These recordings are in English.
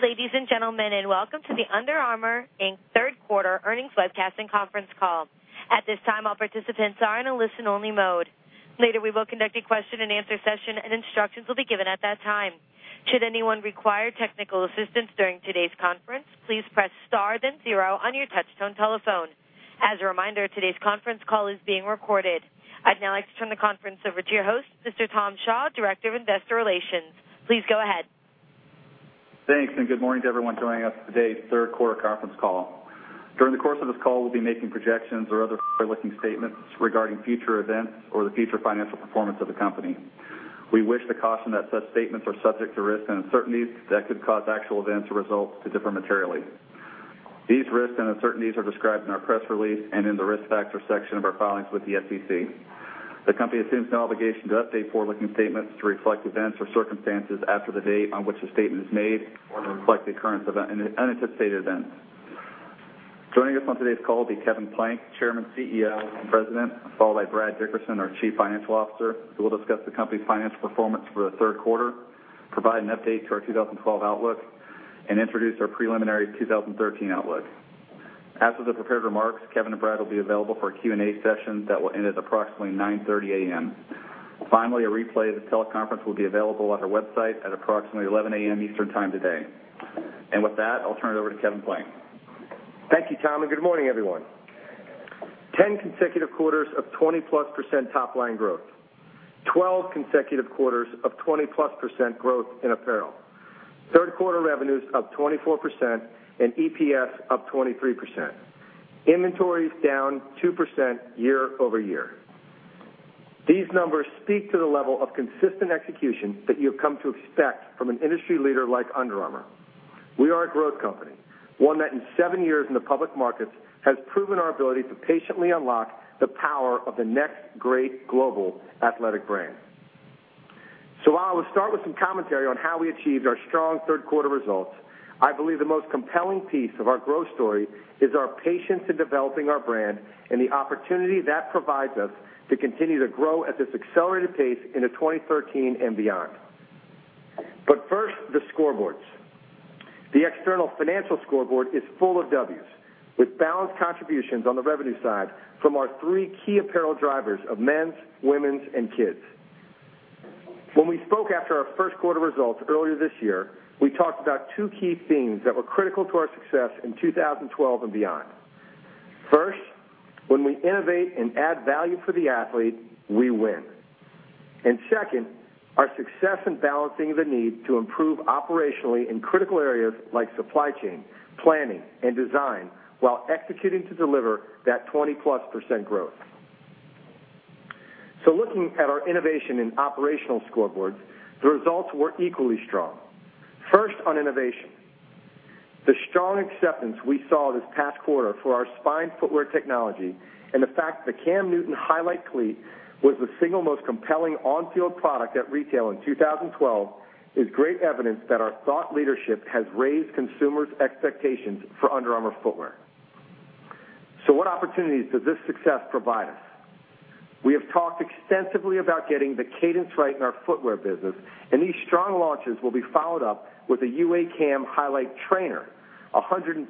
Good day, ladies and gentlemen. Welcome to the Under Armour, Inc. third quarter earnings webcast and conference call. At this time, all participants are in a listen-only mode. Later, we will conduct a question-and-answer session. Instructions will be given at that time. Should anyone require technical assistance during today's conference, please press star then zero on your touchtone telephone. A reminder, today's conference call is being recorded. I'd now like to turn the conference over to your host, Mr. Tom Shaw, Director of Investor Relations. Please go ahead. Thanks. Good morning to everyone joining us for today's third quarter conference call. During the course of this call, we'll be making projections or other forward-looking statements regarding future events or the future financial performance of the company. We wish to caution that such statements are subject to risks and uncertainties that could cause actual events or results to differ materially. These risks and uncertainties are described in our press release and in the Risk Factors section of our filings with the SEC. The company assumes no obligation to update forward-looking statements to reflect events or circumstances after the date on which the statement is made or to reflect the occurrence of any unanticipated events. Joining us on today's call will be Kevin Plank, Chairman, CEO, and President, followed by Brad Dickerson, our Chief Financial Officer, who will discuss the company's financial performance for the third quarter, provide an update to our 2012 outlook, and introduce our preliminary 2013 outlook. After the prepared remarks, Kevin and Brad will be available for a Q&A session that will end at approximately 9:30 A.M. Finally, a replay of the teleconference will be available on our website at approximately 11:00 A.M. Eastern Time today. With that, I'll turn it over to Kevin Plank. Thank you, Tom. Good morning, everyone. Ten consecutive quarters of 20-plus % top-line growth. Twelve consecutive quarters of 20-plus % growth in apparel. Third quarter revenues up 24% and EPS up 23%. Inventories down 2% year-over-year. These numbers speak to the level of consistent execution that you have come to expect from an industry leader like Under Armour. We are a growth company, one that in seven years in the public markets has proven our ability to patiently unlock the power of the next great global athletic brand. While I will start with some commentary on how we achieved our strong third quarter results, I believe the most compelling piece of our growth story is our patience in developing our brand and the opportunity that provides us to continue to grow at this accelerated pace into 2013 and beyond. First, the scoreboards. The external financial scoreboard is full of Ws, with balanced contributions on the revenue side from our three key apparel drivers of men's, women's, and kids. When we spoke after our first quarter results earlier this year, we talked about two key themes that were critical to our success in 2012 and beyond. First, when we innovate and add value for the athlete, we win. Second, our success in balancing the need to improve operationally in critical areas like supply chain, planning, and design, while executing to deliver that 20+% growth. Looking at our innovation and operational scoreboards, the results were equally strong. First, on innovation. The strong acceptance we saw this past quarter for our Spine footwear technology and the fact the Cam Newton Highlight Cleat was the single most compelling on-field product at retail in 2012 is great evidence that our thought leadership has raised consumers' expectations for Under Armour footwear. What opportunities does this success provide us? We have talked extensively about getting the cadence right in our footwear business, these strong launches will be followed up with a UA Cam Highlight Trainer, a $150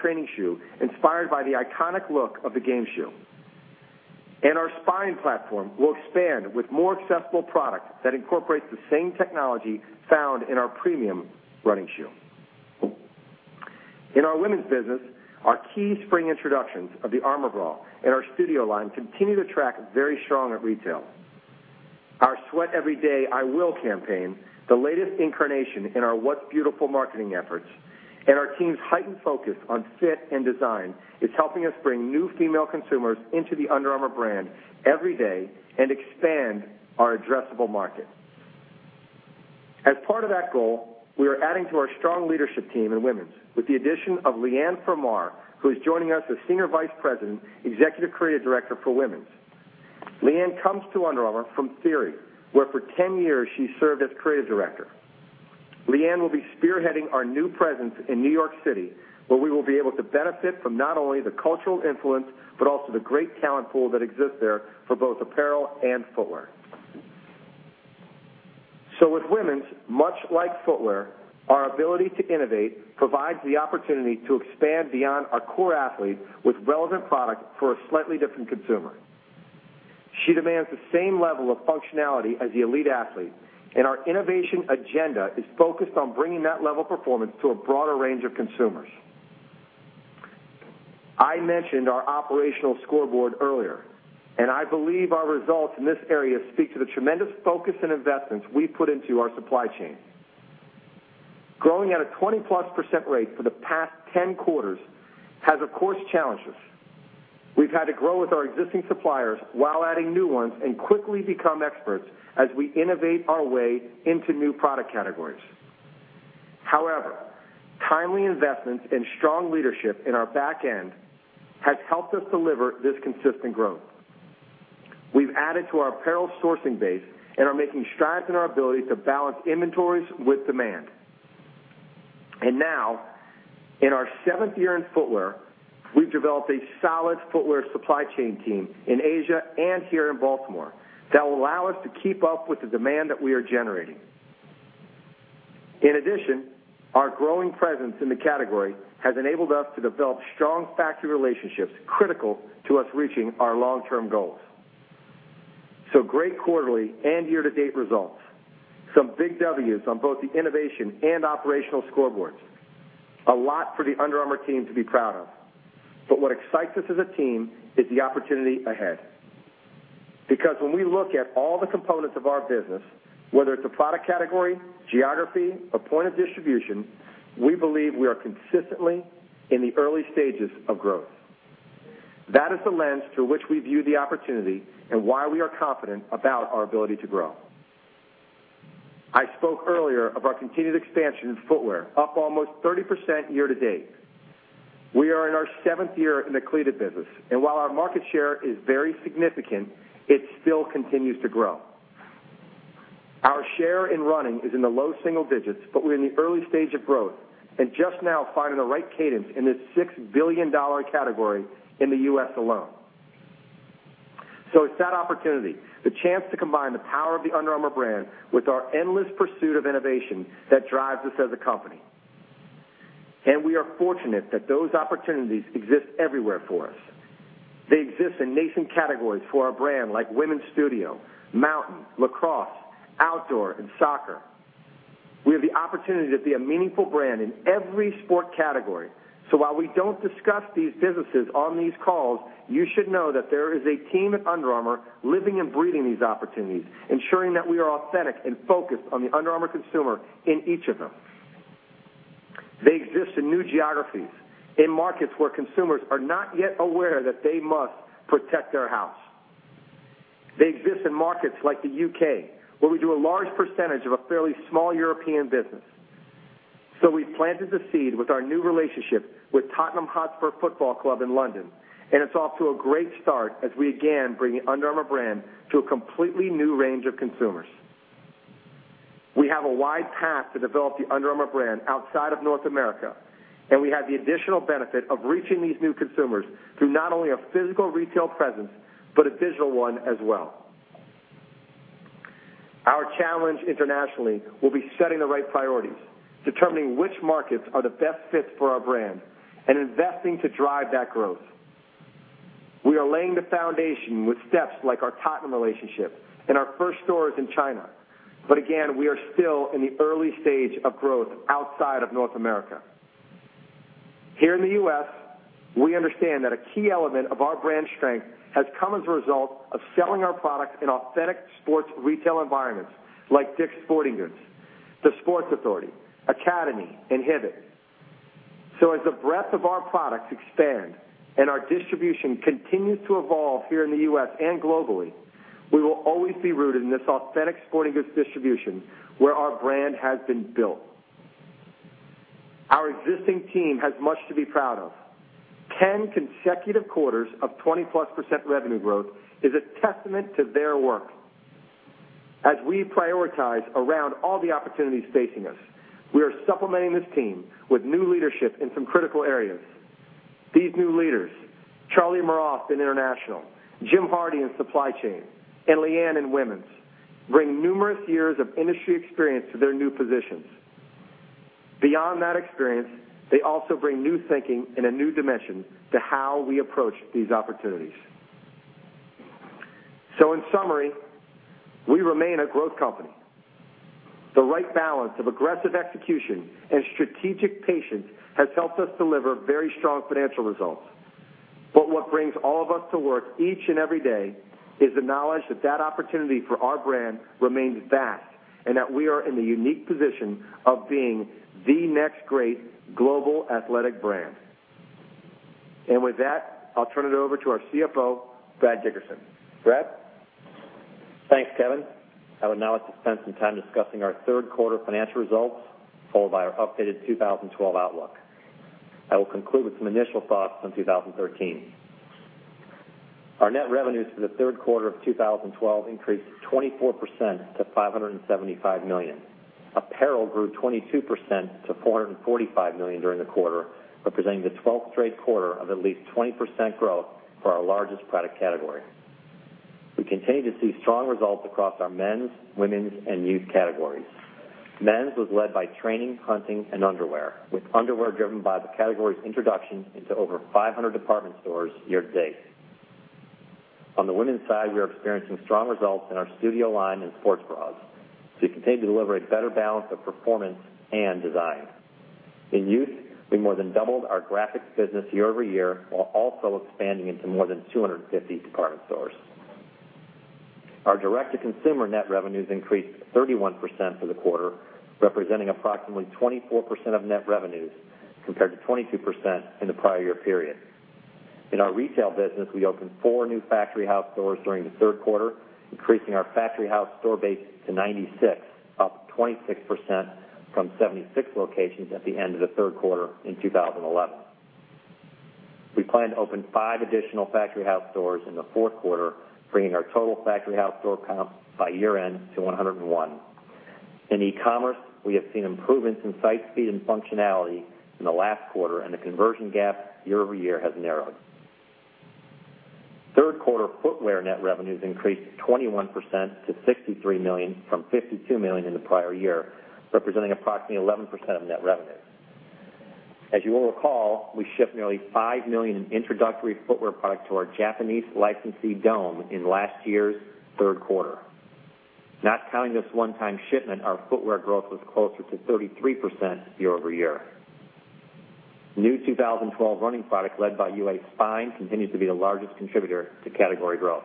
training shoe inspired by the iconic look of the game shoe. Our Spine platform will expand with more accessible product that incorporates the same technology found in our premium running shoe. In our women's business, our key spring introductions of the ArmourBra and our Studio line continue to track very strong at retail. Our Sweat Every Day I Will campaign, the latest incarnation in our What's Beautiful marketing efforts, and our team's heightened focus on fit and design is helping us bring new female consumers into the Under Armour brand every day and expand our addressable market. As part of that goal, we are adding to our strong leadership team in women's with the addition of Leanne Fremar, who is joining us as Senior Vice President, Executive Creative Director for Women's. Leanne comes to Under Armour from Theory, where for 10 years she served as creative director. Leanne will be spearheading our new presence in New York City, where we will be able to benefit from not only the cultural influence but also the great talent pool that exists there for both apparel and footwear. With women's, much like footwear, our ability to innovate provides the opportunity to expand beyond our core athlete with relevant product for a slightly different consumer. She demands the same level of functionality as the elite athlete, our innovation agenda is focused on bringing that level of performance to a broader range of consumers. I mentioned our operational scoreboard earlier, I believe our results in this area speak to the tremendous focus and investments we put into our supply chain. Growing at a 20+% rate for the past 10 quarters has, of course, challenged us. We've had to grow with our existing suppliers while adding new ones and quickly become experts as we innovate our way into new product categories. Timely investments and strong leadership in our back end has helped us deliver this consistent growth. We've added to our apparel sourcing base and are making strides in our ability to balance inventories with demand. Now in our seventh year in footwear, we've developed a solid footwear supply chain team in Asia and here in Baltimore that will allow us to keep up with the demand that we are generating. In addition, our growing presence in the category has enabled us to develop strong factory relationships critical to us reaching our long-term goals. Great quarterly and year-to-date results. Some big Ws on both the innovation and operational scoreboards. A lot for the Under Armour team to be proud of. What excites us as a team is the opportunity ahead. When we look at all the components of our business, whether it's a product category, geography, or point of distribution, we believe we are consistently in the early stages of growth. That is the lens through which we view the opportunity and why we are confident about our ability to grow. I spoke earlier of our continued expansion in footwear, up almost 30% year-to-date. We are in our seventh year in the cleated business, and while our market share is very significant, it still continues to grow. Our share in running is in the low single digits, but we're in the early stage of growth and just now finding the right cadence in this $6 billion category in the U.S. alone. It's that opportunity, the chance to combine the power of the Under Armour brand with our endless pursuit of innovation, that drives us as a company. We are fortunate that those opportunities exist everywhere for us. They exist in nascent categories for our brand, like women's Studio, mountain, lacrosse, outdoor, and soccer. We have the opportunity to be a meaningful brand in every sport category. While we don't discuss these businesses on these calls, you should know that there is a team at Under Armour living and breathing these opportunities, ensuring that we are authentic and focused on the Under Armour consumer in each of them. They exist in new geographies, in markets where consumers are not yet aware that they must protect their house. They exist in markets like the U.K., where we do a large percentage of a fairly small European business. We planted the seed with our new relationship with Tottenham Hotspur Football Club in London, and it's off to a great start as we again bring the Under Armour brand to a completely new range of consumers. We have a wide path to develop the Under Armour brand outside of North America, we have the additional benefit of reaching these new consumers through not only a physical retail presence, but a digital one as well. Our challenge internationally will be setting the right priorities, determining which markets are the best fit for our brand, and investing to drive that growth. We are laying the foundation with steps like our Tottenham relationship and our first stores in China. Again, we are still in the early stage of growth outside of North America. Here in the U.S., we understand that a key element of our brand strength has come as a result of selling our products in authentic sports retail environments like Dick's Sporting Goods, The Sports Authority, Academy, and Hibbett. As the breadth of our products expand and our distribution continues to evolve here in the U.S. and globally, we will always be rooted in this authentic sporting goods distribution where our brand has been built. Our existing team has much to be proud of. 10 consecutive quarters of 20-plus % revenue growth is a testament to their work. As we prioritize around all the opportunities facing us, we are supplementing this team with new leadership in some critical areas. These new leaders, Charlie Maurath in international, Jim Hardy in supply chain, and Leanne in women's, bring numerous years of industry experience to their new positions. Beyond that experience, they also bring new thinking and a new dimension to how we approach these opportunities. In summary, we remain a growth company. The right balance of aggressive execution and strategic patience has helped us deliver very strong financial results. What brings all of us to work each and every day is the knowledge that that opportunity for our brand remains vast and that we are in the unique position of being the next great global athletic brand. With that, I'll turn it over to our CFO, Brad Dickerson. Brad? Thanks, Kevin. I would now like to spend some time discussing our third quarter financial results, followed by our updated 2012 outlook. I will conclude with some initial thoughts on 2013. Our net revenues for the third quarter of 2012 increased 24% to $575 million. Apparel grew 22% to $445 million during the quarter, representing the 12th straight quarter of at least 20% growth for our largest product category. We continue to see strong results across our men's, women's, and youth categories. Men's was led by training, hunting, and underwear, with underwear driven by the category's introduction into over 500 department stores year-to-date. On the women's side, we are experiencing strong results in our Studio line and sports bras. We continue to deliver a better balance of performance and design. In youth, we more than doubled our graphics business year-over-year, while also expanding into more than 250 department stores. Our direct-to-consumer net revenues increased 31% for the quarter, representing approximately 24% of net revenues, compared to 22% in the prior year period. In our retail business, we opened four new Factory House stores during the third quarter, increasing our Factory House store base to 96, up 26% from 76 locations at the end of the third quarter in 2011. We plan to open five additional Factory House stores in the fourth quarter, bringing our total Factory House store count by year-end to 101. In e-commerce, we have seen improvements in site speed and functionality in the last quarter, and the conversion gap year-over-year has narrowed. Third quarter footwear net revenues increased 21% to $63 million from $52 million in the prior year, representing approximately 11% of net revenues. As you will recall, we shipped nearly 5 million introductory footwear product to our Japanese licensee, Dome, in last year's third quarter. Not counting this one-time shipment, our footwear growth was closer to 33% year-over-year. New 2012 running product, led by UA Spine, continues to be the largest contributor to category growth.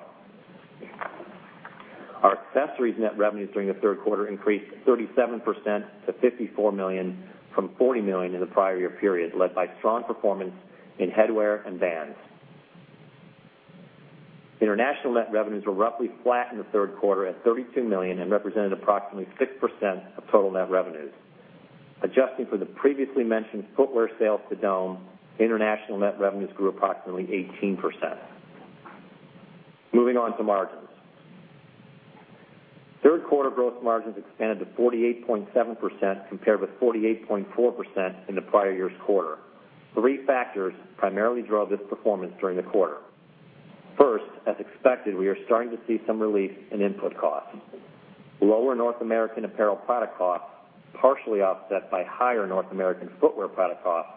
Our accessories net revenues during the third quarter increased 37% to $54 million from $40 million in the prior year period, led by strong performance in headwear and bands. International net revenues were roughly flat in the third quarter at $32 million and represented approximately 6% of total net revenues. Adjusting for the previously mentioned footwear sales to Dome, international net revenues grew approximately 18%. Moving on to margins. Third quarter gross margins expanded to 48.7%, compared with 48.4% in the prior year's quarter. Three factors primarily drove this performance during the quarter. First, as expected, we are starting to see some relief in input costs. Lower North American apparel product costs, partially offset by higher North American footwear product costs,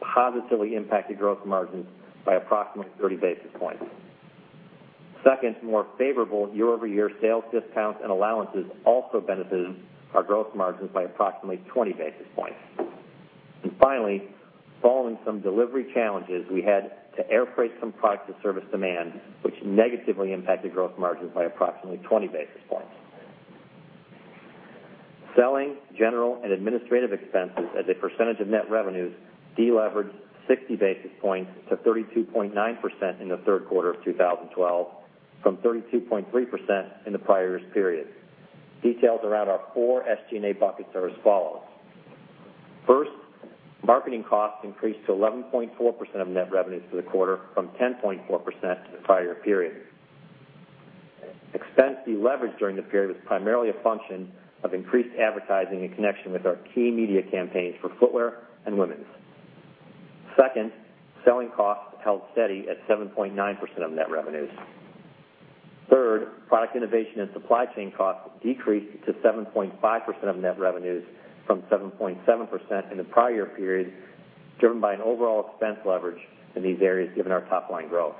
positively impacted gross margins by approximately 30 basis points. Second, more favorable year-over-year sales discounts and allowances also benefited our gross margins by approximately 20 basis points. Finally, following some delivery challenges, we had to air freight some product to service demand, which negatively impacted gross margins by approximately 20 basis points. Selling, General, and Administrative Expenses as a percentage of net revenues deleveraged 60 basis points to 32.9% in the third quarter of 2012 from 32.3% in the prior year's period. Details around our 4 SG&A buckets are as follows. First, marketing costs increased to 11.4% of net revenues for the quarter from 10.4% in the prior year period. Expense deleverage during the period was primarily a function of increased advertising in connection with our key media campaigns for footwear and Women's. Second, selling costs held steady at 7.9% of net revenues. Third, product innovation and supply chain costs decreased to 7.5% of net revenues from 7.7% in the prior year period, driven by an overall expense leverage in these areas given our top-line growth.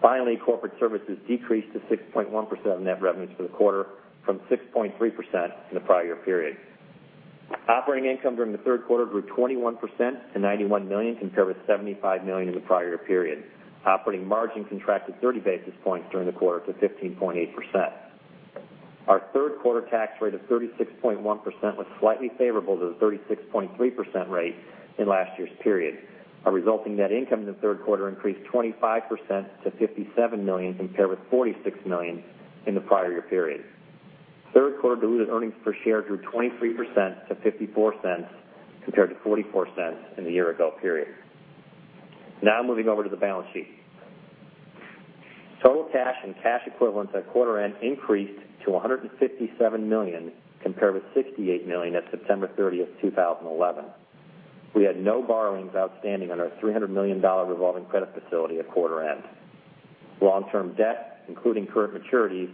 Finally, corporate services decreased to 6.1% of net revenues for the quarter, from 6.3% in the prior year period. Operating income during the third quarter grew 21% to $91 million, compared with $75 million in the prior year period. Operating margin contracted 30 basis points during the quarter to 15.8%. Our third quarter tax rate of 36.1% was slightly favorable to the 36.3% rate in last year's period. Our resulting net income in the third quarter increased 25% to $57 million, compared with $46 million in the prior year period. Third quarter diluted earnings per share grew 23% to $0.54 compared to $0.44 in the year-ago period. Moving over to the balance sheet. Total cash and cash equivalents at quarter end increased to $157 million, compared with $68 million at September 30th, 2011. We had no borrowings outstanding on our $300 million revolving credit facility at quarter end. Long-term debt, including current maturities,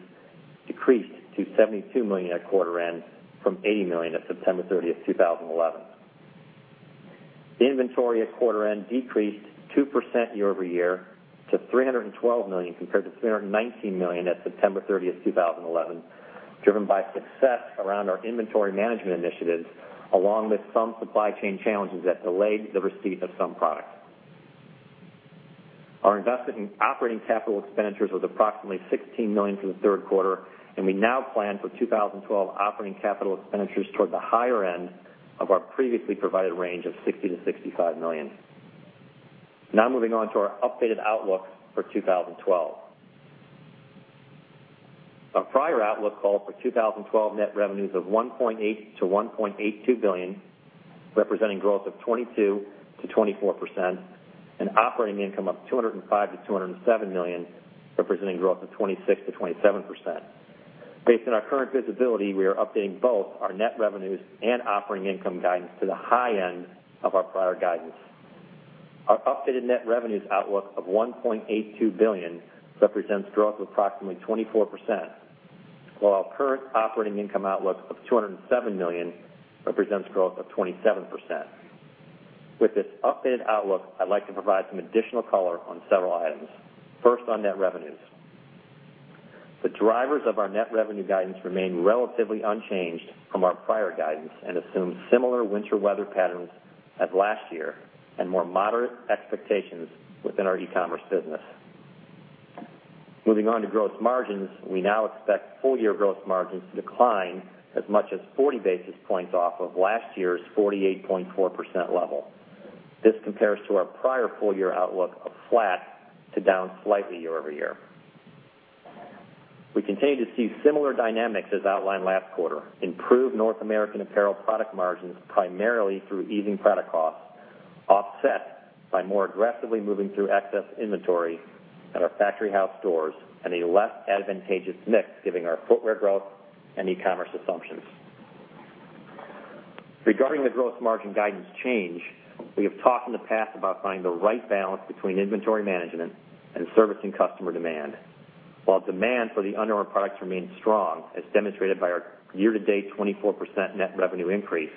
decreased to $72 million at quarter end from $80 million at September 30th, 2011. Inventory at quarter end decreased 2% year-over-year to $312 million, compared to $319 million at September 30th, 2011, driven by success around our inventory management initiatives, along with some supply chain challenges that delayed the receipt of some product. Our invested in operating capital expenditures was approximately $16 million for the third quarter. We now plan for 2012 operating capital expenditures toward the higher end of our previously provided range of $60 million-$65 million. Moving on to our updated outlook for 2012. Our prior outlook called for 2012 net revenues of $1.8 billion-$1.82 billion, representing growth of 22%-24%, and operating income of $205 million-$207 million, representing growth of 26%-27%. Based on our current visibility, we are updating both our net revenues and operating income guidance to the high end of our prior guidance. Our updated net revenues outlook of $1.82 billion represents growth of approximately 24%, while our current operating income outlook of $207 million represents growth of 27%. With this updated outlook, I'd like to provide some additional color on several items. First, on net revenues. The drivers of our net revenue guidance remain relatively unchanged from our prior guidance and assume similar winter weather patterns as last year and more moderate expectations within our e-commerce business. Moving on to gross margins, we now expect full-year gross margins to decline as much as 40 basis points off of last year's 48.4% level. This compares to our prior full-year outlook of flat to down slightly year-over-year. We continue to see similar dynamics as outlined last quarter. Improved North American apparel product margins primarily through easing product costs, offset by more aggressively moving through excess inventory at our Factory House stores and a less advantageous mix, given our footwear growth and e-commerce assumptions. Regarding the gross margin guidance change, we have talked in the past about finding the right balance between inventory management and servicing customer demand. While demand for the Under Armour products remains strong, as demonstrated by our year-to-date 24% net revenue increase,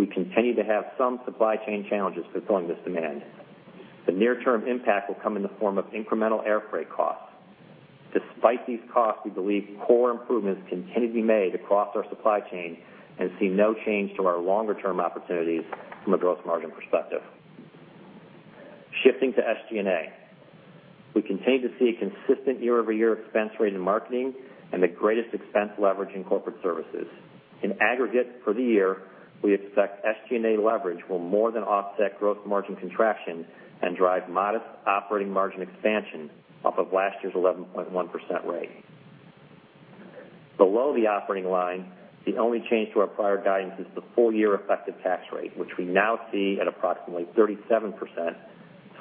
we continue to have some supply chain challenges fulfilling this demand. The near-term impact will come in the form of incremental airfreight costs. Despite these costs, we believe core improvements continue to be made across our supply chain and see no change to our longer-term opportunities from a gross margin perspective. Shifting to SG&A, we continue to see a consistent year-over-year expense rate in marketing and the greatest expense leverage in corporate services. In aggregate for the year, we expect SG&A leverage will more than offset gross margin contraction and drive modest operating margin expansion off of last year's 11.1% rate. Below the operating line, the only change to our prior guidance is the full-year effective tax rate, which we now see at approximately 37%,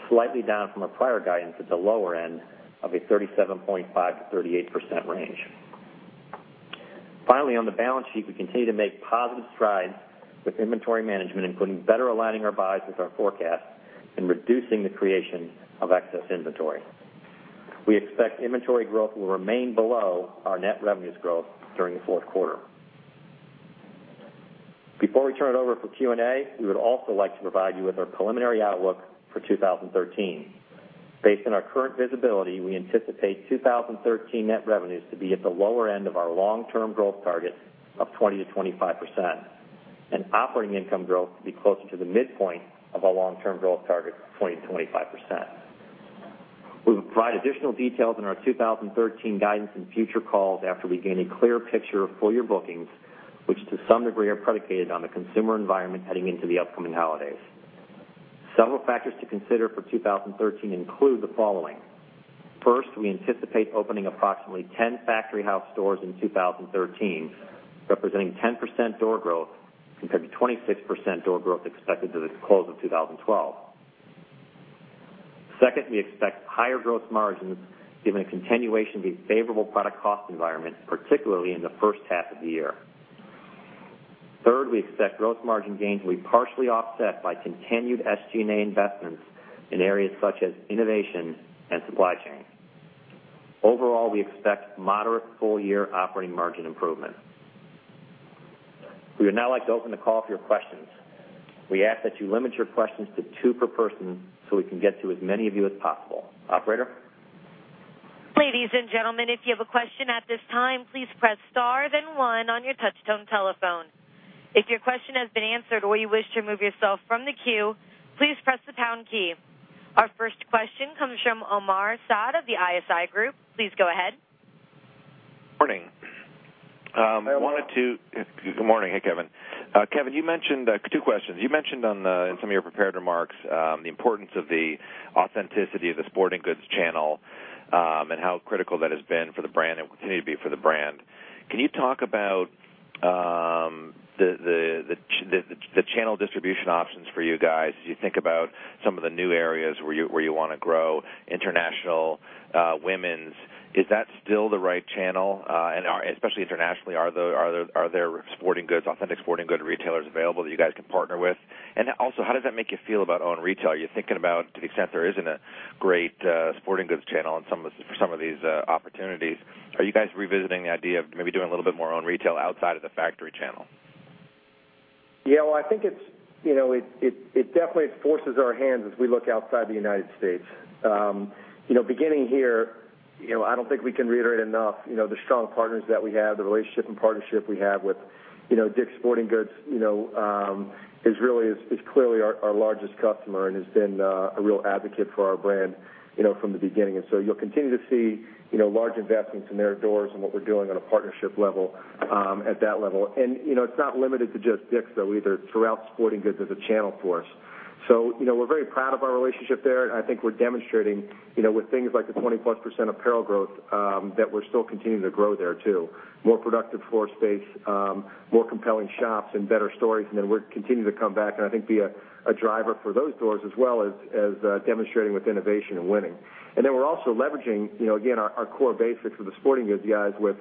slightly down from our prior guidance at the lower end of a 37.5%-38% range. Finally, on the balance sheet, we continue to make positive strides with inventory management, including better aligning our buys with our forecast and reducing the creation of excess inventory. We expect inventory growth will remain below our net revenues growth during the fourth quarter. Before we turn it over for Q&A, we would also like to provide you with our preliminary outlook for 2013. Based on our current visibility, we anticipate 2013 net revenues to be at the lower end of our long-term growth target of 20%-25%, and operating income growth to be closer to the midpoint of our long-term growth target of 20%-25%. We will provide additional details on our 2013 guidance in future calls after we gain a clear picture of full-year bookings, which to some degree are predicated on the consumer environment heading into the upcoming holidays. Several factors to consider for 2013 include the following. First, we anticipate opening approximately 10 Factory House stores in 2013, representing 10% door growth compared to 26% door growth expected through the close of 2012. Second, we expect higher growth margins given a continuation of a favorable product cost environment, particularly in the first half of the year. Third, we expect growth margin gains will be partially offset by continued SG&A investments in areas such as innovation and supply chain. Overall, we expect moderate full-year operating margin improvement. We would now like to open the call for your questions. We ask that you limit your questions to two per person so we can get to as many of you as possible. Operator? Ladies and gentlemen, if you have a question at this time, please press star then one on your touch-tone telephone. If your question has been answered or you wish to remove yourself from the queue, please press the pound key. Our first question comes from Omar Saad of the ISI Group. Please go ahead. Morning. Good morning. Hey, Kevin. Two questions. You mentioned in some of your prepared remarks the importance of the authenticity of the sporting goods channel and how critical that has been for the brand and will continue to be for the brand. Can you talk about the channel distribution options for you guys as you think about some of the new areas where you want to grow international women's. Is that still the right channel? Especially internationally, are there authentic sporting goods retailers available that you guys can partner with? Also, how does that make you feel about own retail? Are you thinking about, to the extent there isn't a great sporting goods channel for some of these opportunities, are you guys revisiting the idea of maybe doing a little bit more own retail outside of the factory channel? Well, I think it definitely forces our hands as we look outside the United States. Beginning here, I don't think we can reiterate enough, the strong partners that we have, the relationship and partnership we have with Dick's Sporting Goods, is clearly our largest customer and has been a real advocate for our brand from the beginning. You'll continue to see large investments in their doors and what we're doing on a partnership level at that level. It's not limited to just Dick's, though, either. Throughout sporting goods, there's a channel for us. We're very proud of our relationship there, and I think we're demonstrating with things like the 20-plus % apparel growth that we're still continuing to grow there, too. More productive floor space, more compelling shops, and better stories, then we're continuing to come back and I think be a driver for those doors as well as demonstrating with innovation and winning. We're also leveraging, again, our core basics with the sporting goods guys with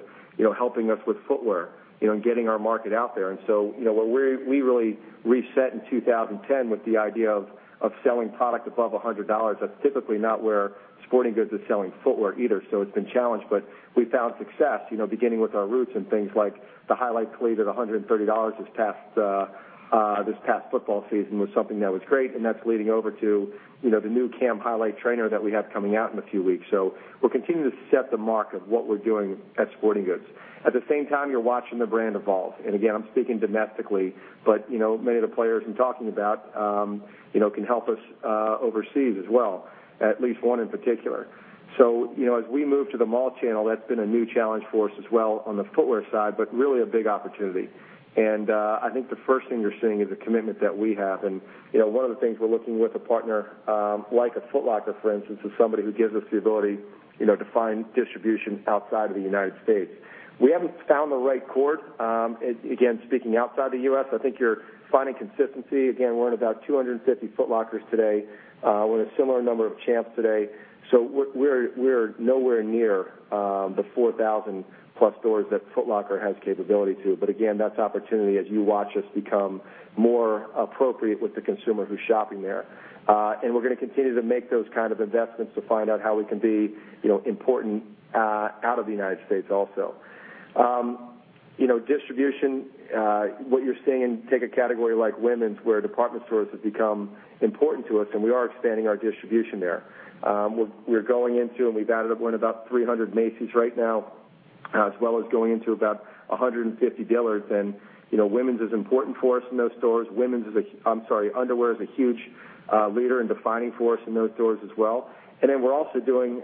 helping us with footwear and getting our market out there. We really reset in 2010 with the idea of selling product above $100. That's typically not where sporting goods is selling footwear either, so it's been a challenge. We found success beginning with our roots and things like the Highlight Cleat at $130 this past football season was something that was great, and that's leading over to the new Cam Highlight Trainer that we have coming out in a few weeks. We're continuing to set the mark of what we're doing at sporting goods. At the same time, you're watching the brand evolve. Again, I'm speaking domestically, but many of the players I'm talking about can help us overseas as well, at least one in particular. As we move to the mall channel, that's been a new challenge for us as well on the footwear side, but really a big opportunity. I think the first thing you're seeing is the commitment that we have. One of the things we're looking with a partner like a Foot Locker, for instance, is somebody who gives us the ability to find distribution outside of the United States. We haven't found the right court. Again, speaking outside the U.S., I think you're finding consistency. Again, we're in about 250 Foot Lockers today with a similar number of Champs today. We're nowhere near the 4,000-plus stores that Foot Locker has capability to. Again, that's opportunity as you watch us become more appropriate with the consumer who's shopping there. We're going to continue to make those kind of investments to find out how we can be important out of the United States also. Distribution, what you're seeing, take a category like women's, where department stores have become important to us, we are expanding our distribution there. We're going into, we've added up, what, about 300 Macy's right now, as well as going into about 150 Dillard's, women's is important for us in those stores. Underwear is a huge leader and defining force in those stores as well. We're also doing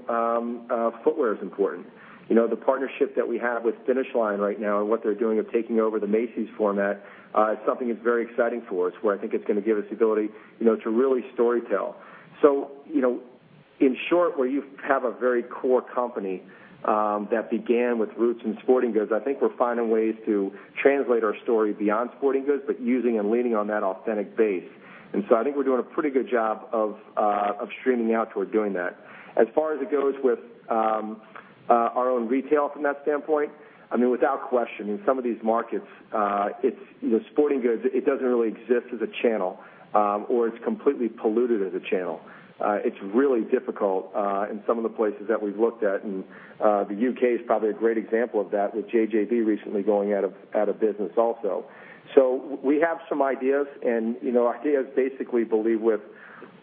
footwear is important. The partnership that we have with Finish Line right now and what they're doing of taking over the Macy's format is something that's very exciting for us, where I think it's going to give us the ability to really story tell. In short, where you have a very core company that began with roots in sporting goods, I think we're finding ways to translate our story beyond sporting goods, but using and leaning on that authentic base. I think we're doing a pretty good job of streaming out toward doing that. As far as it goes with our own retail from that standpoint, without question, in some of these markets, sporting goods, it doesn't really exist as a channel or it's completely polluted as a channel. It's really difficult in some of the places that we've looked at, the U.K. is probably a great example of that, with JJB recently going out of business also. We have some ideas basically believe with,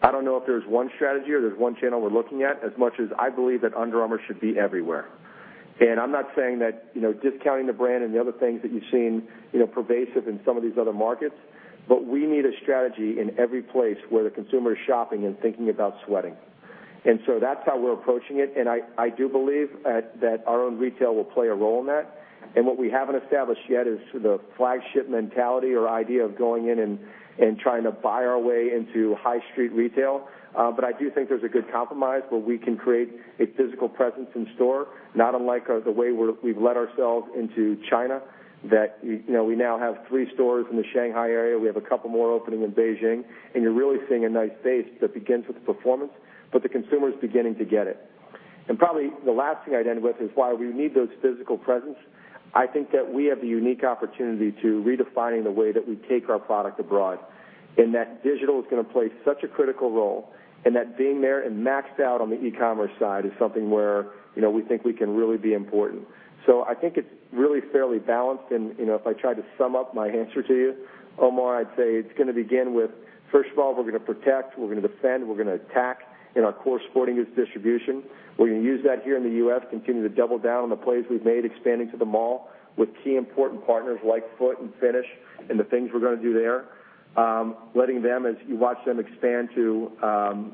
I don't know if there's one strategy or there's one channel we're looking at, as much as I believe that Under Armour should be everywhere. I'm not saying that discounting the brand and the other things that you've seen pervasive in some of these other markets, we need a strategy in every place where the consumer is shopping and thinking about sweating. That's how we're approaching it, I do believe that our own retail will play a role in that. What we haven't established yet is the flagship mentality or idea of going in and trying to buy our way into high street retail. I do think there's a good compromise where we can create a physical presence in store, not unlike the way we've let ourselves into China, that we now have three stores in the Shanghai area. We have a couple more opening in Beijing, you're really seeing a nice base that begins with the performance, the consumer's beginning to get it. Probably the last thing I'd end with is why we need those physical presence. I think that we have the unique opportunity to redefining the way that we take our product abroad, that digital is going to play such a critical role, that being there and maxed out on the e-commerce side is something where we think we can really be important. I think it's really fairly balanced, and if I tried to sum up my answer to you, Omar, I'd say it's going to begin with, first of all, we're going to protect, we're going to defend, we're going to attack in our core sporting goods distribution. We're going to use that here in the U.S., continue to double down on the plays we've made, expanding to the mall with key important partners like Foot and Finish and the things we're going to do there. Letting them, as you watch them expand to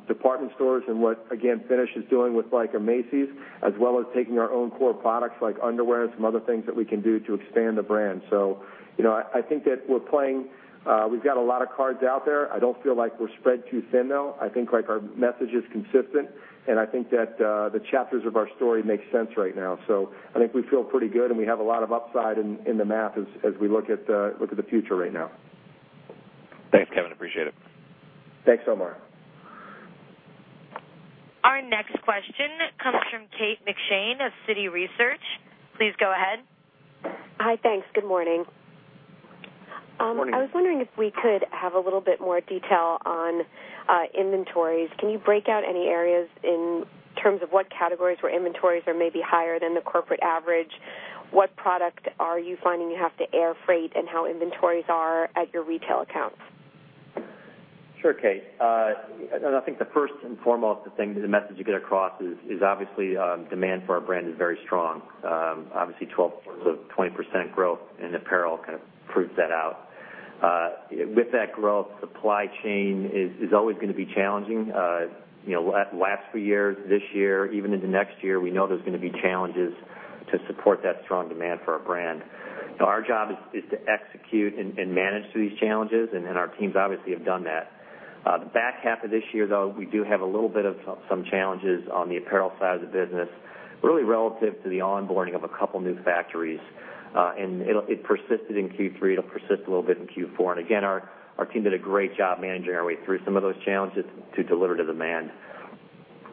department stores and what, again, Finish is doing with a Macy's, as well as taking our own core products like underwear and some other things that we can do to expand the brand. I think that we've got a lot of cards out there. I don't feel like we're spread too thin, though. I think our message is consistent, and I think that the chapters of our story make sense right now. I think we feel pretty good, and we have a lot of upside in the math as we look at the future right now. Thanks, Kevin. Appreciate it. Thanks, Omar. Our next question comes from Kate McShane of Citi Research. Please go ahead. Hi, thanks. Good morning. Morning. I was wondering if we could have a little bit more detail on inventories. Can you break out any areas in terms of what categories where inventories are maybe higher than the corporate average? What product are you finding you have to air freight, and how inventories are at your retail accounts? Sure, Kate. I think the first and foremost, the message to get across is obviously demand for our brand is very strong. Obviously, 12%-20% growth in apparel kind of proves that out. With that growth, supply chain is always going to be challenging. Last few years, this year, even into next year, we know there's going to be challenges to support that strong demand for our brand. Our job is to execute and manage through these challenges, and our teams obviously have done that. The back half of this year, though, we do have a little bit of some challenges on the apparel side of the business, really relative to the onboarding of a couple new factories. It persisted in Q3. It'll persist a little bit in Q4. Again, our team did a great job managing our way through some of those challenges to deliver to demand.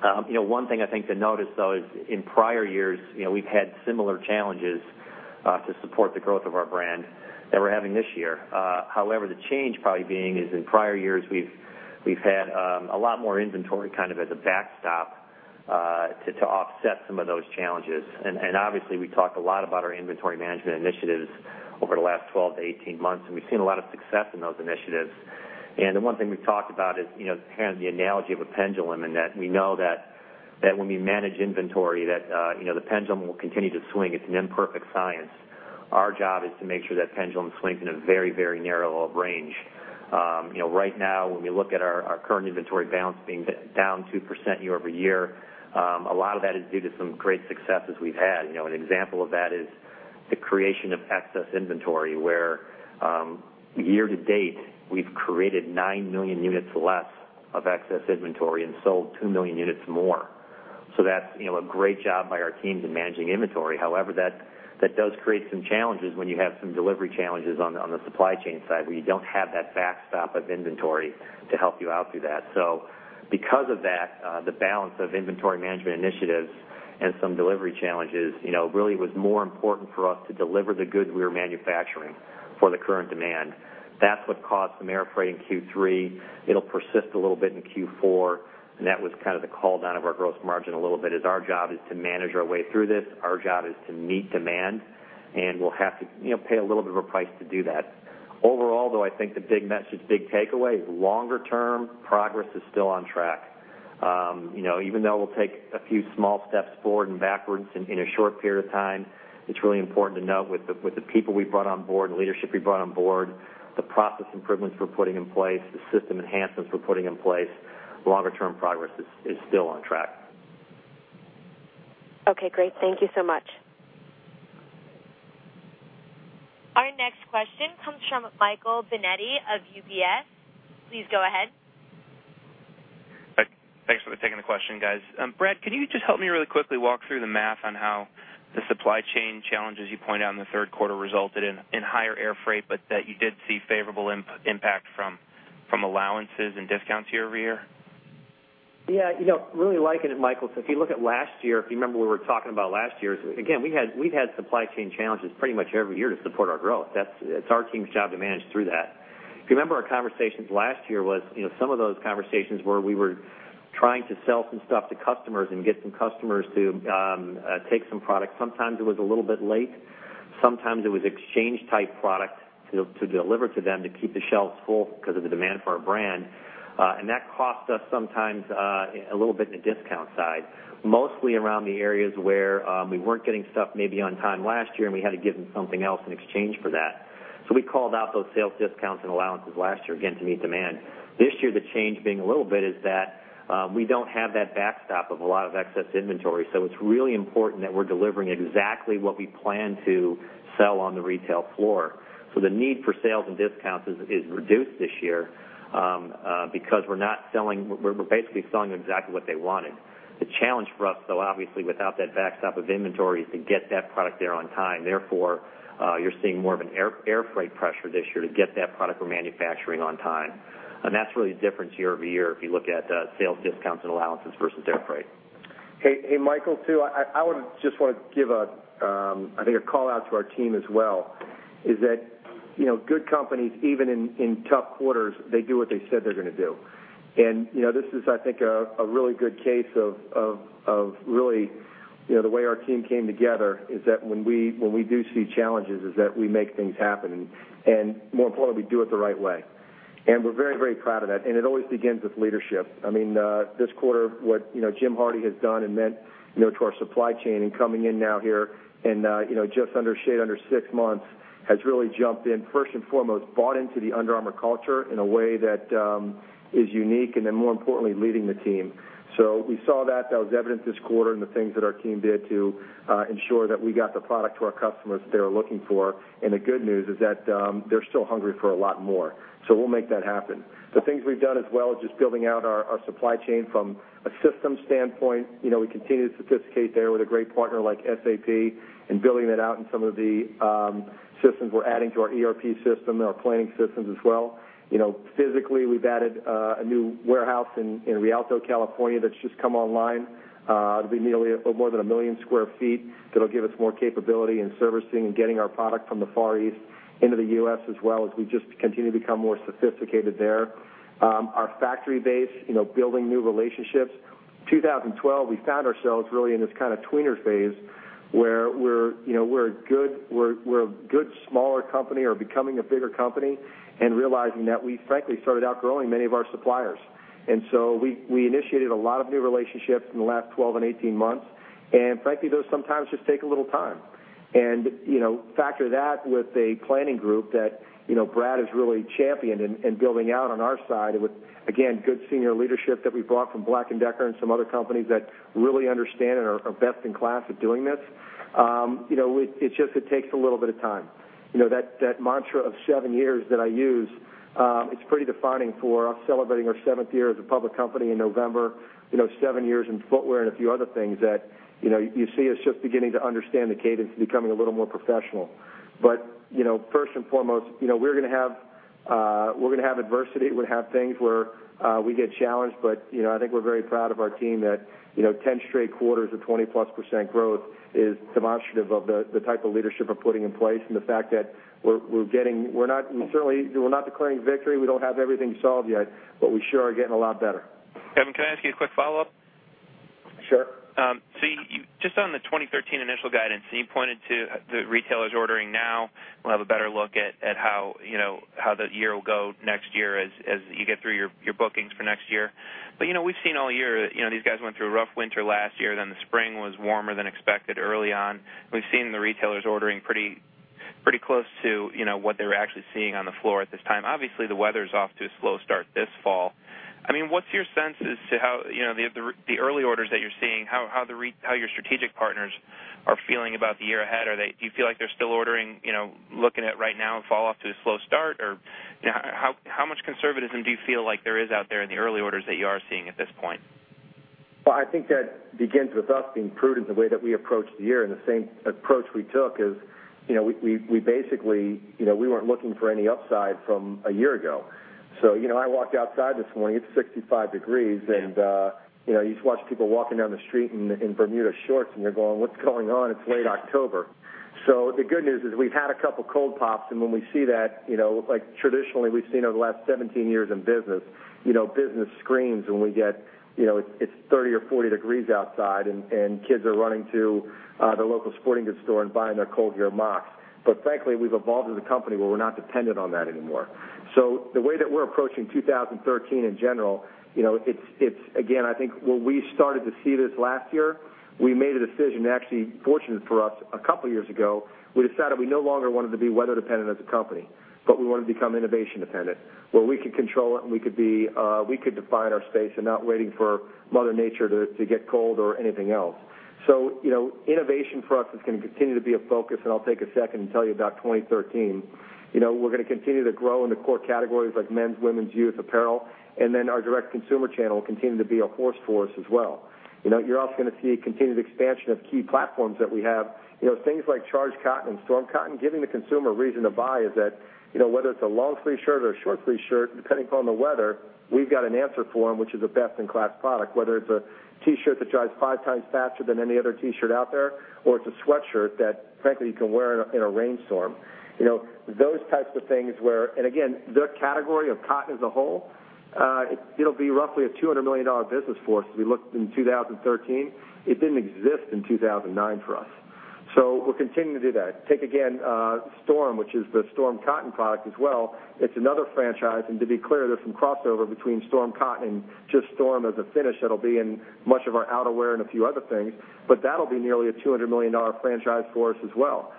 One thing I think to note, though, is in prior years, we've had similar challenges to support the growth of our brand that we're having this year. However, the change probably being in prior years, we've had a lot more inventory as a backstop to offset some of those challenges. Obviously, we talked a lot about our inventory management initiatives over the last 12 to 18 months, and we've seen a lot of success in those initiatives. The one thing we've talked about is kind of the analogy of a pendulum, and that we know that when we manage inventory, that the pendulum will continue to swing. It's an imperfect science. Our job is to make sure that pendulum swings in a very narrow range. Right now, when we look at our current inventory balance being down 2% year-over-year, a lot of that is due to some great successes we've had. An example of that is the creation of excess inventory, where year to date, we've created 9 million units less of excess inventory and sold 2 million units more. That's a great job by our teams in managing inventory. However, that does create some challenges when you have some delivery challenges on the supply chain side, where you don't have that backstop of inventory to help you out through that. Because of that, the balance of inventory management initiatives and some delivery challenges, really was more important for us to deliver the good we were manufacturing for the current demand. That's what caused some air freight in Q3. It'll persist a little bit in Q4. That was kind of the call down of our gross margin a little bit. Our job is to manage our way through this. Our job is to meet demand, we'll have to pay a little bit of a price to do that. Overall, though, I think the big message, big takeaway is longer-term progress is still on track. Even though we'll take a few small steps forward and backwards in a short period of time, it's really important to note with the people we've brought on board, the leadership we've brought on board, the process improvements we're putting in place, the system enhancements we're putting in place, longer-term progress is still on track. Okay, great. Thank you so much. Our next question comes from Michael Binetti of UBS. Please go ahead. Thanks for taking the question, guys. Brad, can you just help me really quickly walk through the math on how the supply chain challenges you pointed out in the third quarter resulted in higher air freight, but that you did see favorable impact from allowances and discounts year-over-year? Yeah. Really liken it, Michael, to if you look at last year, if you remember what we were talking about last year, again, we've had supply chain challenges pretty much every year to support our growth. It's our team's job to manage through that. If you remember our conversations last year was, some of those conversations were, we were trying to sell some stuff to customers and get some customers to take some product. Sometimes it was a little bit late. Sometimes it was exchange-type product to deliver to them to keep the shelves full because of the demand for our brand. That cost us sometimes a little bit in the discount side, mostly around the areas where we weren't getting stuff maybe on time last year, and we had to give them something else in exchange for that. We called out those sales discounts and allowances last year, again, to meet demand. This year, the change being a little bit is that we don't have that backstop of a lot of excess inventory, so it's really important that we're delivering exactly what we plan to sell on the retail floor. The need for sales and discounts is reduced this year because we're basically selling exactly what they wanted. The challenge for us, though, obviously, without that backstop of inventory, is to get that product there on time. Therefore, you're seeing more of an air freight pressure this year to get that product we're manufacturing on time. That's really the difference year-over-year if you look at sales discounts and allowances versus air freight. Hey, Michael, too, I just want to give a call out to our team as well, is that good companies, even in tough quarters, they do what they said they're going to do. This is, I think, a really good case of really the way our team came together, is that when we do see challenges, is that we make things happen. More importantly, we do it the right way. We're very, very proud of that, and it always begins with leadership. This quarter, what Jim Hardy has done and meant to our supply chain and coming in now here and just under six months has really jumped in, first and foremost, bought into the Under Armour culture in a way that is unique and then more importantly, leading the team. We saw that. That was evident this quarter and the things that our team did to ensure that we got the product to our customers that they were looking for. The good news is that they're still hungry for a lot more. We'll make that happen. The things we've done as well is just building out our supply chain from a systems standpoint. We continue to sophisticated there with a great partner like SAP and building that out in some of the systems we're adding to our ERP system and our planning systems as well. Physically, we've added a new warehouse in Rialto, California, that's just come online. It'll be a little more than 1 million sq ft. That'll give us more capability in servicing and getting our product from the Far East into the U.S. as well as we just continue to become more sophisticated there. Our factory base, building new relationships. 2012, we found ourselves really in this kind of tweener phase where we're a good smaller company or becoming a bigger company and realizing that we frankly started outgrowing many of our suppliers. We initiated a lot of new relationships in the last 12 and 18 months, and frankly, those sometimes just take a little time. Factor that with a planning group that Brad has really championed in building out on our side with, again, good senior leadership that we brought from Black & Decker and some other companies that really understand and are best in class at doing this. It takes a little bit of time. That mantra of seven years that I use, it's pretty defining for us celebrating our seventh year as a public company in November, seven years in footwear and a few other things that you see us just beginning to understand the cadence and becoming a little more professional. First and foremost, we're going to have adversity. We'll have things where we get challenged, but I think we're very proud of our team that 10 straight quarters of 20-plus % growth is demonstrative of the type of leadership we're putting in place and the fact that we're not declaring victory. We don't have everything solved yet, but we sure are getting a lot better. Kevin, can I ask you a quick follow-up? Sure. Just on the 2013 initial guidance, you pointed to the retailers ordering now. We'll have a better look at how the year will go next year as you get through your bookings for next year. We've seen all year these guys went through a rough winter last year, the spring was warmer than expected early on. We've seen the retailers ordering pretty close to what they were actually seeing on the floor at this time. The weather's off to a slow start this fall. What's your sense as to how the early orders that you're seeing, how your strategic partners are feeling about the year ahead? Do you feel like they're still ordering, looking at right now in fall off to a slow start? How much conservatism do you feel like there is out there in the early orders that you are seeing at this point? Well, I think that begins with us being prudent the way that we approach the year, and the same approach we took is we weren't looking for any upside from a year ago. I walked outside this morning, it's 65 degrees, and you just watch people walking down the street in Bermuda shorts, and you're going, "What's going on? It's late October." The good news is we've had a couple cold pops, and when we see that, like traditionally we've seen over the last 17 years in business screams when it's 30 or 40 degrees outside and kids are running to the local sporting goods store and buying their ColdGear mock. Frankly, we've evolved as a company where we're not dependent on that anymore. The way that we're approaching 2013 in general, again, I think when we started to see this last year, we made a decision. Actually, fortunate for us, a couple of years ago, we decided we no longer wanted to be weather dependent as a company, but we wanted to become innovation dependent, where we could control it, and we could define our space and not waiting for mother nature to get cold or anything else. Innovation for us is going to continue to be a focus, and I'll take a second and tell you about 2013. We're going to continue to grow in the core categories like men's, women's, youth apparel, and our direct consumer channel will continue to be a horse for us as well. You're also going to see a continued expansion of key platforms that we have. Things like Charged Cotton and Storm Cotton. Giving the consumer a reason to buy is that, whether it's a long-sleeve shirt or a short-sleeve shirt, depending upon the weather, we've got an answer for them, which is a best-in-class product, whether it's a T-shirt that dries five times faster than any other T-shirt out there, or it's a sweatshirt that frankly, you can wear in a rainstorm. Those types of things where and again, the category of cotton as a whole, it'll be roughly a $200 million business for us as we look in 2013. It didn't exist in 2009 for us. We'll continue to do that. Take again, Storm, which is the Storm Cotton product as well. It's another franchise. To be clear, there's some crossover between Storm Cotton and just Storm as a finish that'll be in much of our outerwear and a few other things, but that'll be nearly a $200 million franchise for us as well.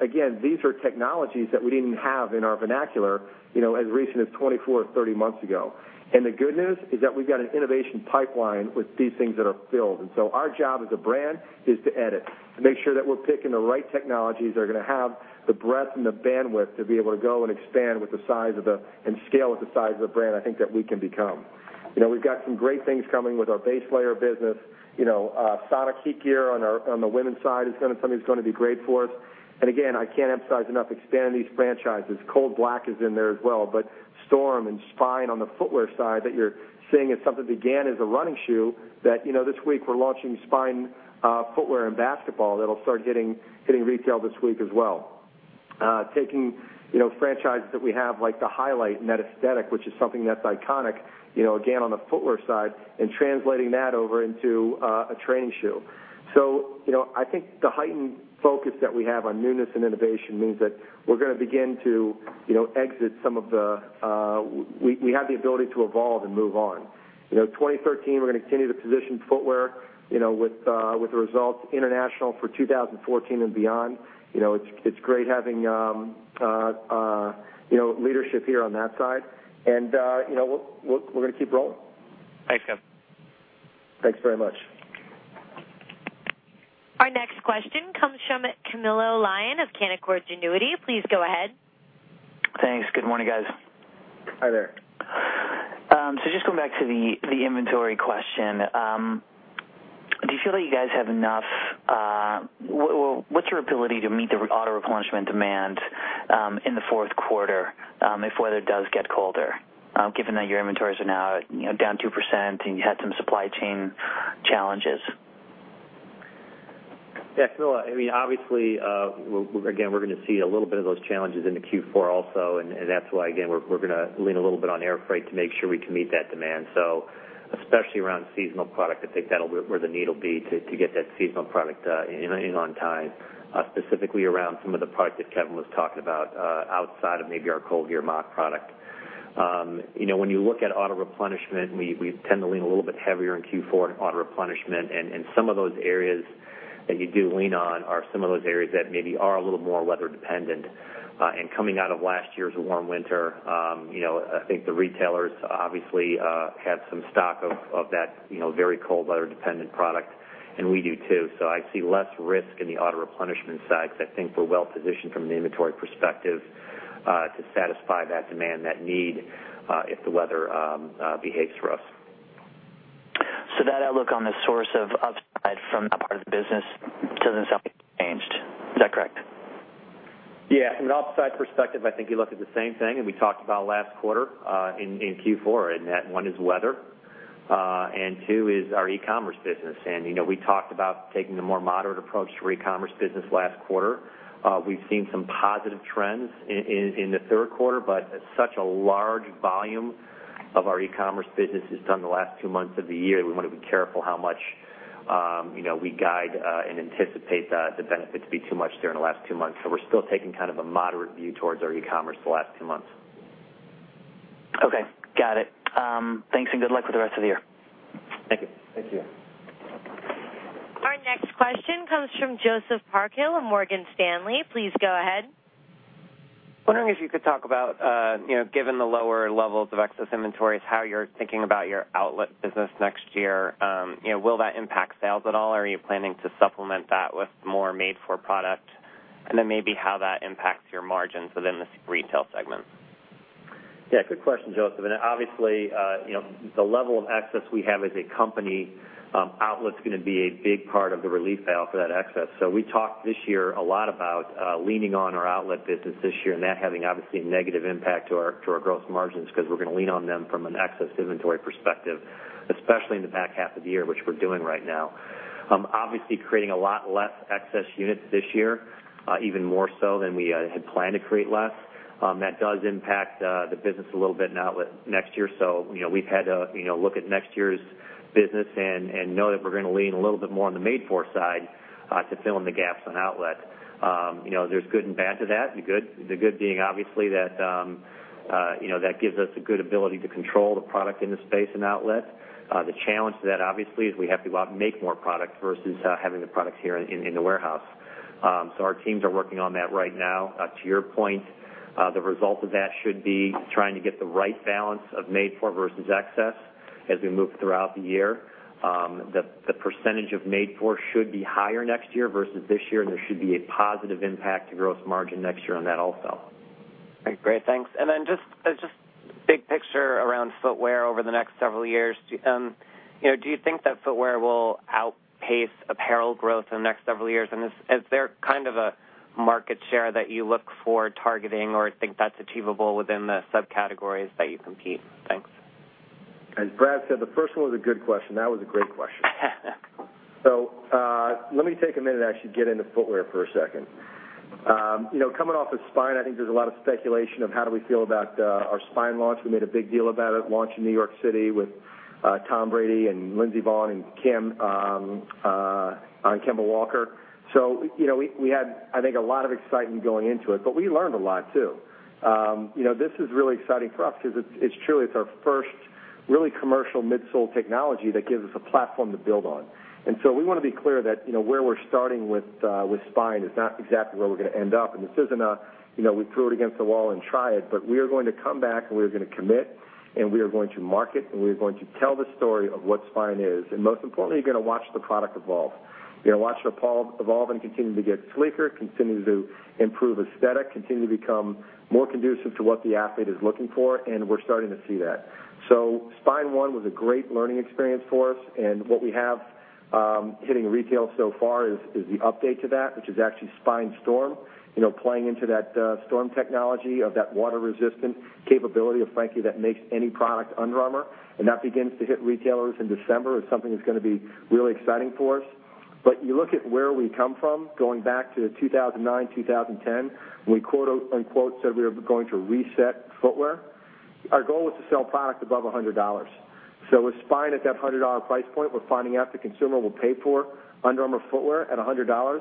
Again, these are technologies that we didn't have in our vernacular as recent as 24 or 30 months ago. The good news is that we've got an innovation pipeline with these things that are filled. Our job as a brand is to edit, to make sure that we're picking the right technologies that are going to have the breadth and the bandwidth to be able to go and expand and scale with the size of the brand I think that we can become. We've got some great things coming with our base layer business. Sonic HeatGear on the women's side is something that's going to be great for us. Again, I can't emphasize enough expanding these franchises. coldblack is in there as well, but Storm and Spine on the footwear side that you're seeing is something that began as a running shoe that this week we're launching Spine footwear and basketball that'll start hitting retail this week as well. Taking franchises that we have, like the Highlight and that aesthetic, which is something that's iconic again on the footwear side and translating that over into a training shoe. I think the heightened focus that we have on newness and innovation means that we're going to begin to exit. We have the ability to evolve and move on. 2013, we're going to continue to position footwear, with the results international for 2014 and beyond. It's great having leadership here on that side. We're going to keep rolling. Thanks, Kevin. Thanks very much. Our next question comes from Camilo Lyon of Canaccord Genuity. Please go ahead. Thanks. Good morning, guys. Hi there. Just going back to the inventory question. Do you feel that you guys have enough, what's your ability to meet the auto-replenishment demand in the fourth quarter if weather does get colder, given that your inventories are now down 2% and you had some supply chain challenges? Yeah, Camilo, obviously, again, we're going to see a little bit of those challenges into Q4 also, that's why, again, we're going to lean a little bit on air freight to make sure we can meet that demand. Especially around seasonal product, I think that's where the need will be to get that seasonal product in on time, specifically around some of the product that Kevin was talking about outside of maybe our ColdGear mock product. When you look at auto replenishment, we tend to lean a little bit heavier in Q4 on auto replenishment. Some of those areas that you do lean on are some of those areas that maybe are a little more weather dependent. Coming out of last year's warm winter, I think the retailers obviously had some stock of that very cold, weather dependent product, and we do too. I see less risk in the auto replenishment side because I think we're well positioned from an inventory perspective to satisfy that demand, that need if the weather behaves for us. That outlook on the source of upside from that part of the business doesn't sound like it changed. Is that correct? Yeah. From an upside perspective, I think you look at the same thing, we talked about last quarter, in Q4, that one is weather, two is our e-commerce business. We talked about taking a more moderate approach to our e-commerce business last quarter. We've seen some positive trends in the third quarter, such a large volume of our e-commerce business is done in the last two months of the year that we want to be careful how much we guide and anticipate the benefit to be too much there in the last two months. We're still taking a moderate view towards our e-commerce the last two months. Okay. Got it. Thanks and good luck with the rest of the year. Thank you. Our next question comes from Joseph Parkhill of Morgan Stanley. Please go ahead. Wondering if you could talk about, given the lower levels of excess inventories, how you're thinking about your outlet business next year. Will that impact sales at all, or are you planning to supplement that with more made-for product? Then maybe how that impacts your margins within this retail segment. Yeah, good question, Joseph. Obviously, the level of excess we have as a company, outlet's going to be a big part of the relief valve for that excess. We talked this year a lot about leaning on our outlet business this year and that having, obviously, a negative impact to our gross margins, because we're going to lean on them from an excess inventory perspective, especially in the back half of the year, which we're doing right now. Obviously, creating a lot less excess units this year, even more so than we had planned to create less. That does impact the business a little bit in outlet next year. We've had to look at next year's business and know that we're going to lean a little bit more on the made-for side to fill in the gaps on outlet. There's good and bad to that. The good being obviously that gives us a good ability to control the product in the space and outlet. The challenge to that, obviously, is we have to go out and make more product versus having the product here in the warehouse. Our teams are working on that right now. To your point, the result of that should be trying to get the right balance of made for versus excess as we move throughout the year. The % of made for should be higher next year versus this year, and there should be a positive impact to gross margin next year on that also. Great. Thanks. Then just big picture around footwear over the next several years. Do you think that footwear will outpace apparel growth in the next several years? Is there a market share that you look for targeting or think that's achievable within the subcategories that you compete? Thanks. As Brad said, the first one was a good question. That was a great question. Let me take a minute and actually get into footwear for a second. Coming off of Spine, I think there's a lot of speculation of how do we feel about our Spine launch. We made a big deal about it, launch in New York City with Tom Brady and Lindsey Vonn and Kemba Walker. We had, I think, a lot of excitement going into it, but we learned a lot, too. This is really exciting for us because it's truly, it's our first really commercial midsole technology that gives us a platform to build on. We want to be clear that where we're starting with Spine is not exactly where we're going to end up. This isn't a, we threw it against the wall and tried it, but we are going to come back, and we are going to commit, and we are going to market, and we are going to tell the story of what Spine is. Most importantly, you're going to watch the product evolve. You're going to watch it evolve and continue to get sleeker, continue to improve aesthetic, continue to become more conducive to what the athlete is looking for, and we're starting to see that. Spine 1 was a great learning experience for us, and what we have hitting retail so far is the update to that, which is actually Spine Storm, playing into that Storm technology of that water-resistant capability of, frankly, that makes any product Under Armour. That begins to hit retailers in December. It's something that's going to be really exciting for us. You look at where we come from, going back to 2009, 2010, when we, quote unquote, said we were going to reset footwear. Our goal was to sell product above $100. With Spine at that $100 price point, we're finding out the consumer will pay for Under Armour footwear at $100.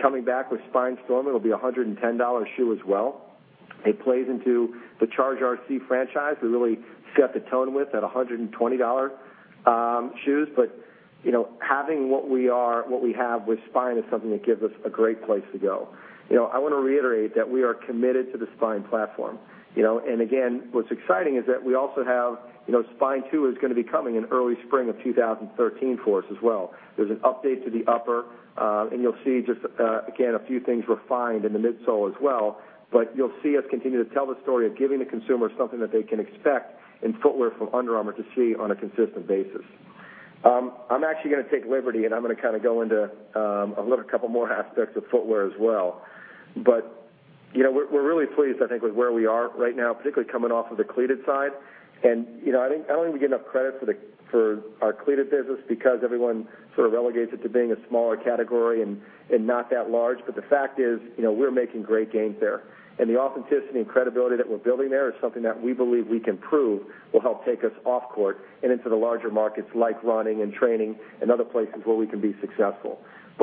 Coming back with Spine Storm, it'll be $110 shoe as well. It plays into the Charge RC franchise we really set the tone with at $120 shoes. Having what we have with Spine is something that gives us a great place to go. I want to reiterate that we are committed to the Spine platform. Again, what's exciting is that we also have Spine 2 is going to be coming in early spring of 2013 for us as well. There's an update to the upper. You'll see just, again, a few things refined in the midsole as well, you'll see us continue to tell the story of giving the consumer something that they can expect in footwear from Under Armour to see on a consistent basis. I'm actually going to take liberty, and I'm going to go into a little couple more aspects of footwear as well. We're really pleased, I think, with where we are right now, particularly coming off of the cleated side. I don't think we get enough credit for our cleated business because everyone sort of relegates it to being a smaller category and not that large. The fact is, we're making great gains there. The authenticity and credibility that we're building there is something that we believe we can prove will help take us off court and into the larger markets like running and training and other places where we can be successful.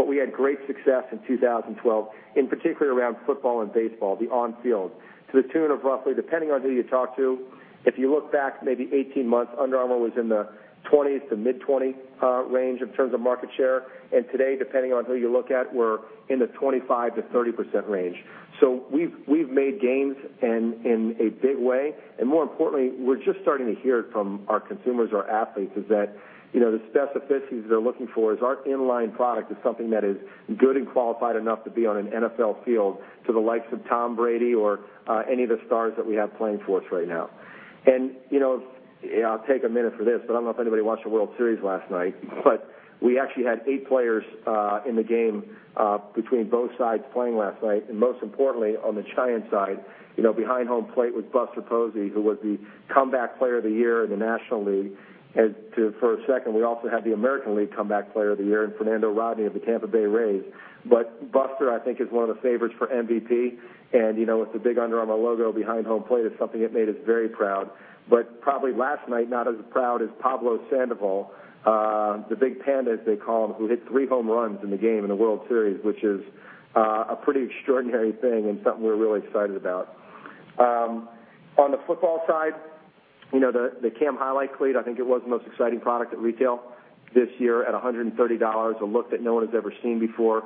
We had great success in 2012, in particular around football and baseball, the on-field, to the tune of roughly, depending on who you talk to, if you look back maybe 18 months, Under Armour was in the 20s to mid-20 range in terms of market share. Today, depending on who you look at, we're in the 25%-30% range. We've made gains and in a big way. More importantly, we're just starting to hear it from our consumers, our athletes, is that the specificity they're looking for is our in-line product is something that is good and qualified enough to be on an NFL field to the likes of Tom Brady or any of the stars that we have playing for us right now. I'll take a minute for this, but I don't know if anybody watched the World Series last night, but we actually had eight players in the game between both sides playing last night. Most importantly, on the Giants side, behind home plate was Buster Posey, who was the Comeback Player of the Year in the National League. For a second, we also had the American League Comeback Player of the Year in Fernando Rodney of the Tampa Bay Rays. Buster, I think, is one of the favorites for MVP. With the big Under Armour logo behind home plate, it's something that made us very proud. Probably last night, not as proud as Pablo Sandoval, The Big Panda, as they call him, who hit three home runs in the game in the World Series, which is a pretty extraordinary thing and something we're really excited about. On the football side, the Cam Highlight Cleat, I think it was the most exciting product at retail this year at $130, a look that no one has ever seen before.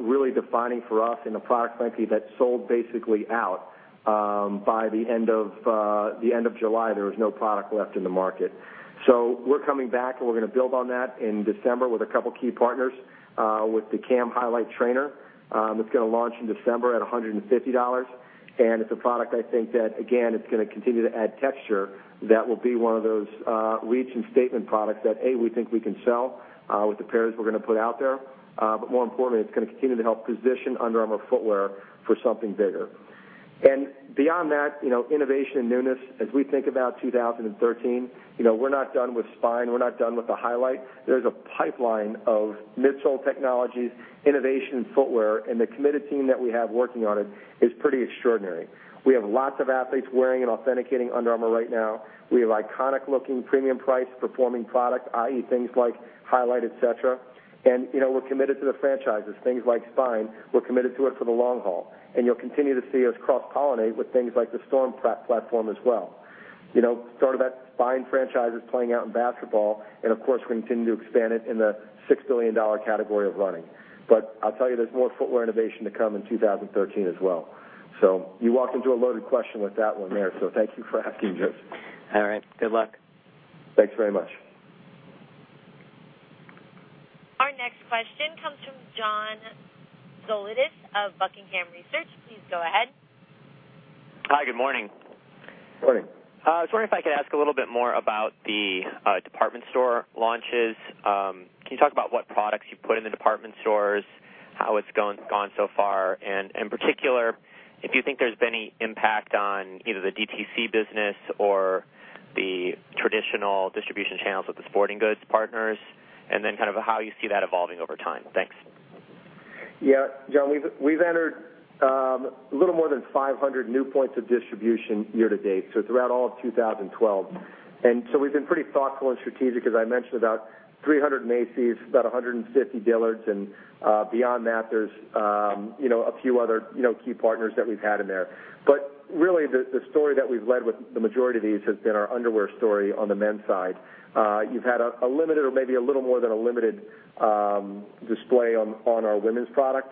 Really defining for us in a product, frankly, that sold basically out by the end of July. There was no product left in the market. We're coming back, and we're going to build on that in December with a couple key partners, with the Cam Highlight Trainer. It's going to launch in December at $150. It's a product I think that, again, it's going to continue to add texture that will be one of those reach and statement products that, A, we think we can sell with the pairs we're going to put out there. More importantly, it's going to continue to help position Under Armour footwear for something bigger. Beyond that, innovation and newness, as we think about 2013, we're not done with Spine, we're not done with the Highlight. There's a pipeline of midsole technologies, innovation in footwear, and the committed team that we have working on it is pretty extraordinary. We have lots of athletes wearing and authenticating Under Armour right now. We have iconic-looking, premium price, performing product, i.e., things like Highlight, et cetera. We're committed to the franchises, things like Spine. We're committed to it for the long haul. You'll continue to see us cross-pollinate with things like the Storm platform as well. Start of that Spine franchise is playing out in basketball, and of course, we continue to expand it in the $6 billion category of running. I'll tell you, there's more footwear innovation to come in 2013 as well. You walked into a loaded question with that one there, thank you for asking, Joe. All right. Good luck. Thanks very much. Our next question comes from John Zolidis of Buckingham Research. Please go ahead. Hi, good morning. Morning. I was wondering if I could ask a little bit more about the department store launches. Can you talk about what products you put in the department stores, how it's gone so far, and in particular, if you think there's been any impact on either the DTC business or the traditional distribution channels with the sporting goods partners, how you see that evolving over time? Thanks. John, we've entered a little more than 500 new points of distribution year to date, so throughout all of 2012. We've been pretty thoughtful and strategic, as I mentioned, about 300 Macy's, about 150 Dillard's, and beyond that, there's a few other key partners that we've had in there. Really, the story that we've led with the majority of these has been our underwear story on the men's side. You've had a limited or maybe a little more than a limited display on our women's product,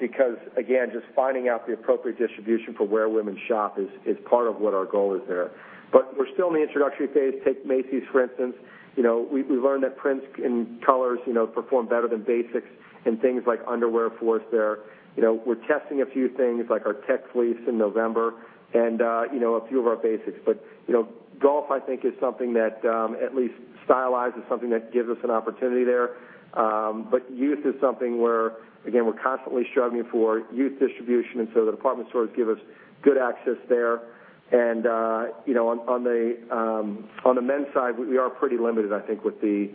because again, just finding out the appropriate distribution for where women shop is part of what our goal is there. We're still in the introductory phase. Take Macy's, for instance. We learned that prints in colors perform better than basics in things like underwear for us there. We're testing a few things like our tech fleece in November and a few of our basics. Golf, I think, is something that at least stylizes is something that gives us an opportunity there. Youth is something where, again, we're constantly struggling for youth distribution, and the department stores give us good access there. On the men's side, we are pretty limited, I think, with the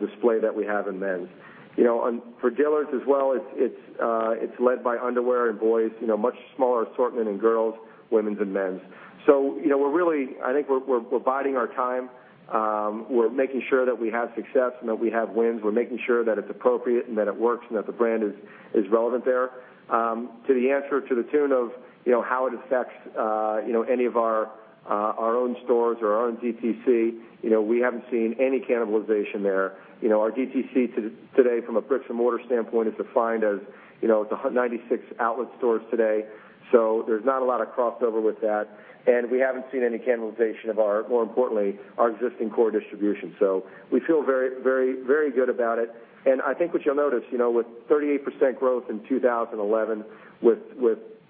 display that we have in men's. For Dillard's as well, it's led by underwear and boys, much smaller assortment in girls, womens and mens. Really, I think we're biding our time. We're making sure that we have success and that we have wins. We're making sure that it's appropriate and that it works and that the brand is relevant there. To the answer to the tune of how it affects any of our own stores or our own DTC, we haven't seen any cannibalization there. Our DTC today from a bricks and mortar standpoint is defined as the 196 outlet stores today. There's not a lot of crossover with that, and we haven't seen any cannibalization of our, more importantly, our existing core distribution. We feel very good about it. I think what you'll notice, with 38% growth in 2011, with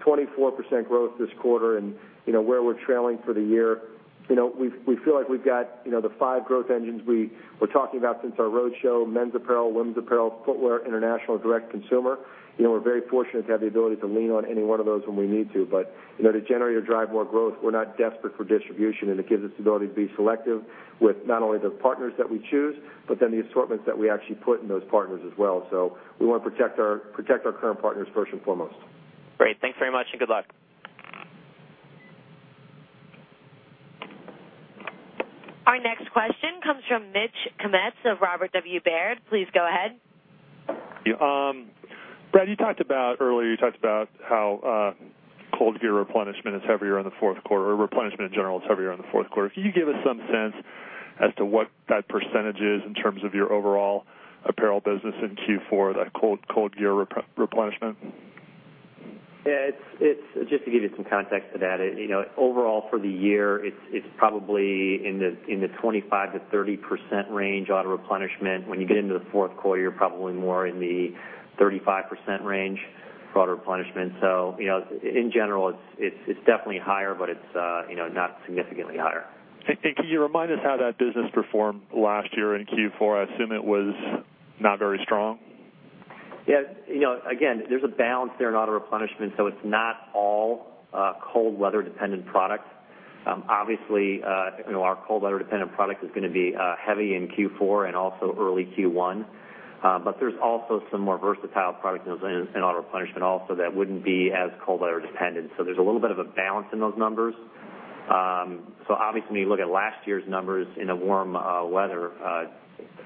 24% growth this quarter, and where we're trailing for the year, we feel like we've got the five growth engines we were talking about since our roadshow, men's apparel, women's apparel, footwear, international, direct consumer. We're very fortunate to have the ability to lean on any one of those when we need to. To generate or drive more growth, we're not desperate for distribution, and it gives us the ability to be selective with not only the partners that we choose, but then the assortments that we actually put in those partners as well. We want to protect our current partners first and foremost. Great. Thanks very much and good luck. Our next question comes from Mitch Kummetz of Robert W. Baird. Please go ahead. Brad, earlier you talked about how ColdGear replenishment is heavier in the fourth quarter, or replenishment in general is heavier in the fourth quarter. Can you give us some sense as to what that percentage is in terms of your overall apparel business in Q4, that ColdGear replenishment? Yeah. Just to give you some context to that, overall for the year, it's probably in the 25%-30% range auto replenishment. When you get into the fourth quarter, you're probably more in the 35% range for auto replenishment. In general, it's definitely higher, but it's not significantly higher. Can you remind us how that business performed last year in Q4? I assume it was not very strong. There's a balance there in auto replenishment, it's not all cold weather dependent product. Obviously, our cold weather dependent product is going to be heavy in Q4 and also early Q1. There's also some more versatile products in auto replenishment also that wouldn't be as cold weather dependent. There's a little bit of a balance in those numbers. Obviously, when you look at last year's numbers in a warm weather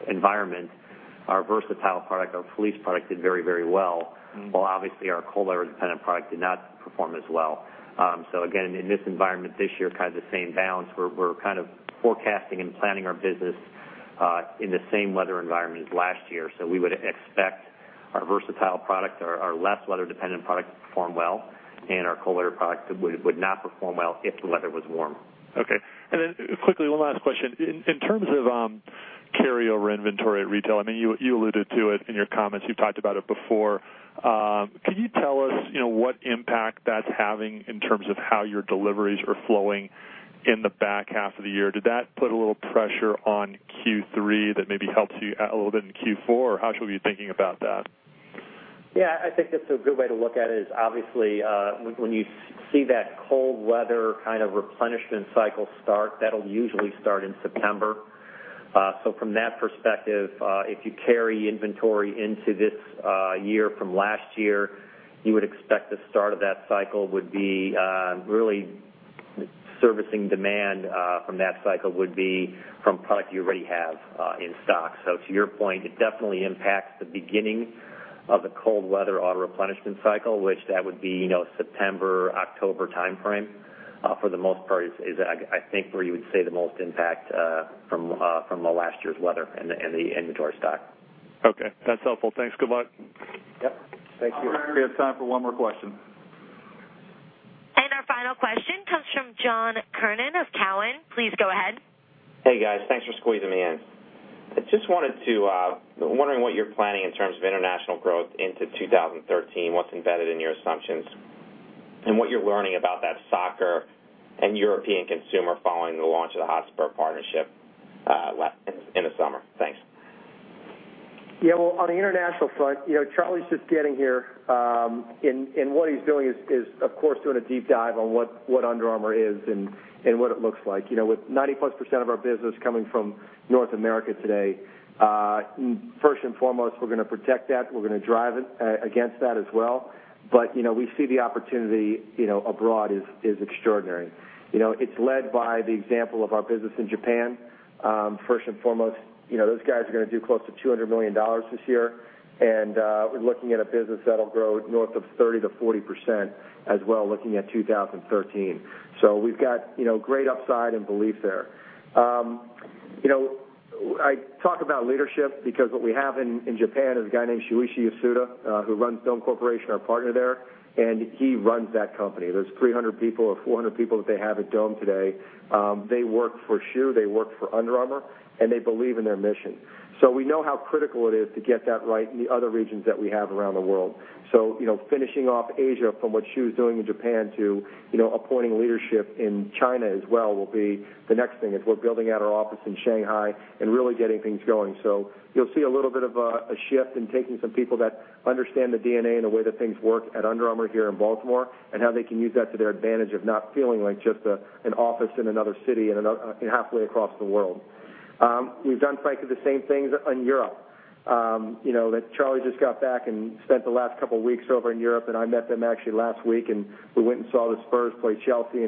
environment, our versatile product, our fleece product did very well. While obviously our cold weather dependent product did not perform as well. Again, in this environment this year, kind of the same balance. We're kind of forecasting and planning our business in the same weather environment as last year. We would expect our versatile product or our less weather dependent product to perform well, and our cold weather product would not perform well if the weather was warm. Quickly, one last question. In terms of carryover inventory at retail, you alluded to it in your comments, you've talked about it before. Can you tell us what impact that's having in terms of how your deliveries are flowing in the back half of the year? Did that put a little pressure on Q3 that maybe helps you out a little bit in Q4, or how should we be thinking about that? I think that's a good way to look at it, is obviously when you see that cold weather kind of replenishment cycle start, that'll usually start in September. From that perspective, if you carry inventory into this year from last year, you would expect the start of that cycle would be really servicing demand from that cycle would be from product you already have in stock. To your point, it definitely impacts the beginning of the cold weather auto-replenishment cycle, which that would be September, October timeframe, for the most part is I think where you would say the most impact from the last year's weather and the inventory stock. Okay. That's helpful. Thanks. Goodbye. Yep. Thank you. Operator, we have time for one more question. Our final question comes from John Kernan of Cowen. Please go ahead. Hey, guys. Thanks for squeezing me in. I'm wondering what you're planning in terms of international growth into 2013, what's embedded in your assumptions, and what you're learning about that soccer and European consumer following the launch of the Hotspur partnership in the summer. Thanks. On the international front, Charlie's just getting here. What he's doing is, of course, doing a deep dive on what Under Armour is and what it looks like. With 90+% of our business coming from North America today, first and foremost, we're going to protect that. We're going to drive against that as well. We see the opportunity abroad is extraordinary. It's led by the example of our business in Japan. First and foremost, those guys are going to do close to $200 million this year, and we're looking at a business that'll grow north of 30%-40% as well looking at 2013. We've got great upside and belief there. I talk about leadership because what we have in Japan is a guy named Shuichi Yasuda who runs Dome Corporation, our partner there, and he runs that company. There's 300 people or 400 people that they have at Dome today. They work for Shu, they work for Under Armour, and they believe in their mission. We know how critical it is to get that right in the other regions that we have around the world. Finishing off Asia from what Shu's doing in Japan to appointing leadership in China as well will be the next thing, as we're building out our office in Shanghai and really getting things going. You'll see a little bit of a shift in taking some people that understand the DNA and the way that things work at Under Armour here in Baltimore, and how they can use that to their advantage of not feeling like just an office in another city and halfway across the world. We've done, frankly, the same things in Europe. Charlie just got back and spent the last couple of weeks over in Europe, and I met them actually last week, and we went and saw the Spurs play Chelsea.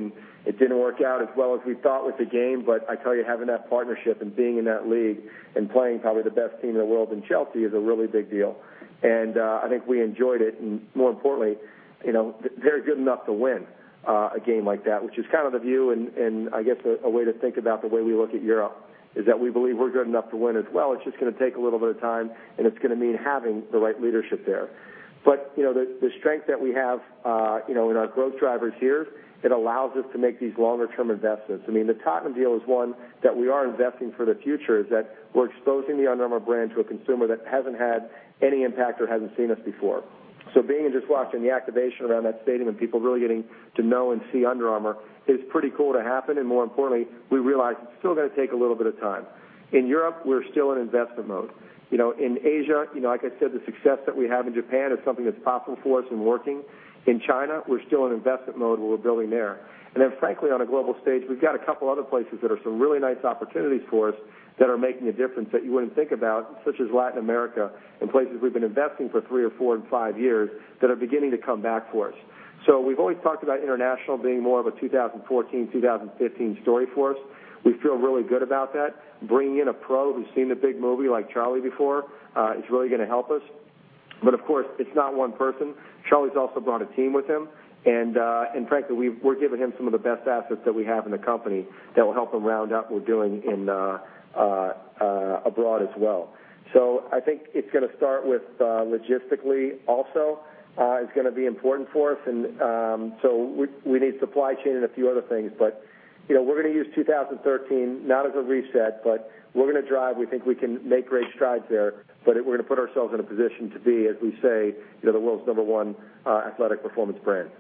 It didn't work out as well as we thought with the game. I tell you, having that partnership and being in that league and playing probably the best team in the world in Chelsea is a really big deal. I think we enjoyed it. More importantly, they're good enough to win a game like that, which is kind of the view and I guess a way to think about the way we look at Europe, is that we believe we're good enough to win as well. It's just going to take a little bit of time, and it's going to mean having the right leadership there. The strength that we have in our growth drivers here, it allows us to make these longer-term investments. The Tottenham deal is one that we are investing for the future, is that we're exposing the Under Armour brand to a consumer that hasn't had any impact or hasn't seen us before. Being and just watching the activation around that stadium and people really getting to know and see Under Armour is pretty cool to happen. More importantly, we realize it's still going to take a little bit of time. In Europe, we're still in investment mode. In Asia, like I said, the success that we have in Japan is something that's possible for us and working. In China, we're still in investment mode where we're building there. Frankly, on a global stage, we've got a couple other places that are some really nice opportunities for us that are making a difference that you wouldn't think about, such as Latin America and places we've been investing for three or four and five years that are beginning to come back for us. We've always talked about international being more of a 2014, 2015 story for us. We feel really good about that. Bringing in a pro who's seen a big movie like Charlie before is really going to help us. Of course, it's not one person. Charlie's also brought a team with him, frankly, we're giving him some of the best assets that we have in the company that will help him round up what we're doing abroad as well. I think it's going to start with logistically also is going to be important for us. We need supply chain and a few other things. We're going to use 2013 not as a reset, we're going to drive. We think we can make great strides there. We're going to put ourselves in a position to be, as we say, the world's number one athletic performance brand.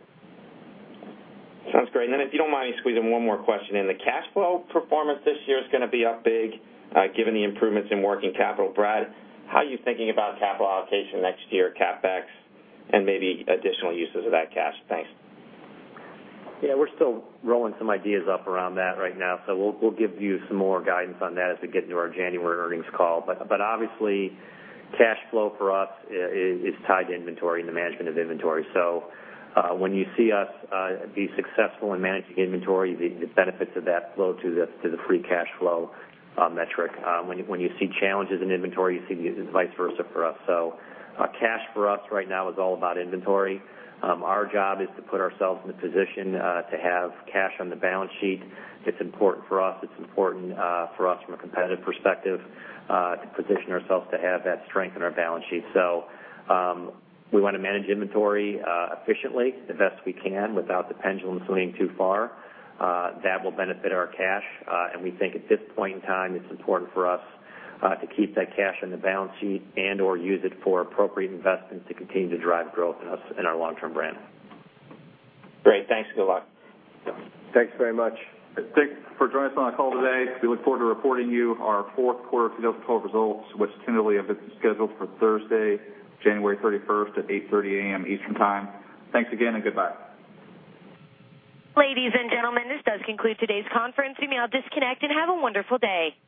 Sounds great. If you don't mind me squeezing one more question in. The cash flow performance this year is going to be up big, given the improvements in working capital. Brad, how are you thinking about capital allocation next year, CapEx, and maybe additional uses of that cash? Thanks. We're still rolling some ideas up around that right now, so we'll give you some more guidance on that as we get into our January earnings call. Obviously, cash flow for us is tied to inventory and the management of inventory. When you see us be successful in managing inventory, the benefits of that flow to the free cash flow metric. When you see challenges in inventory, you see it as vice versa for us. Cash for us right now is all about inventory. Our job is to put ourselves in the position to have cash on the balance sheet. It's important for us. It's important for us from a competitive perspective to position ourselves to have that strength in our balance sheet. We want to manage inventory efficiently the best we can without the pendulum swinging too far. That will benefit our cash, and we think at this point in time, it's important for us to keep that cash on the balance sheet and/or use it for appropriate investments to continue to drive growth in our long-term brand. Great. Thanks, good luck. Thanks very much. Thanks for joining us on the call today. We look forward to reporting you our fourth quarter fiscal 2012 results, which tentatively is scheduled for Thursday, January 31st at 8:30 A.M. Eastern Time. Thanks again. Goodbye. Ladies and gentlemen, this does conclude today's conference. You may now disconnect and have a wonderful day.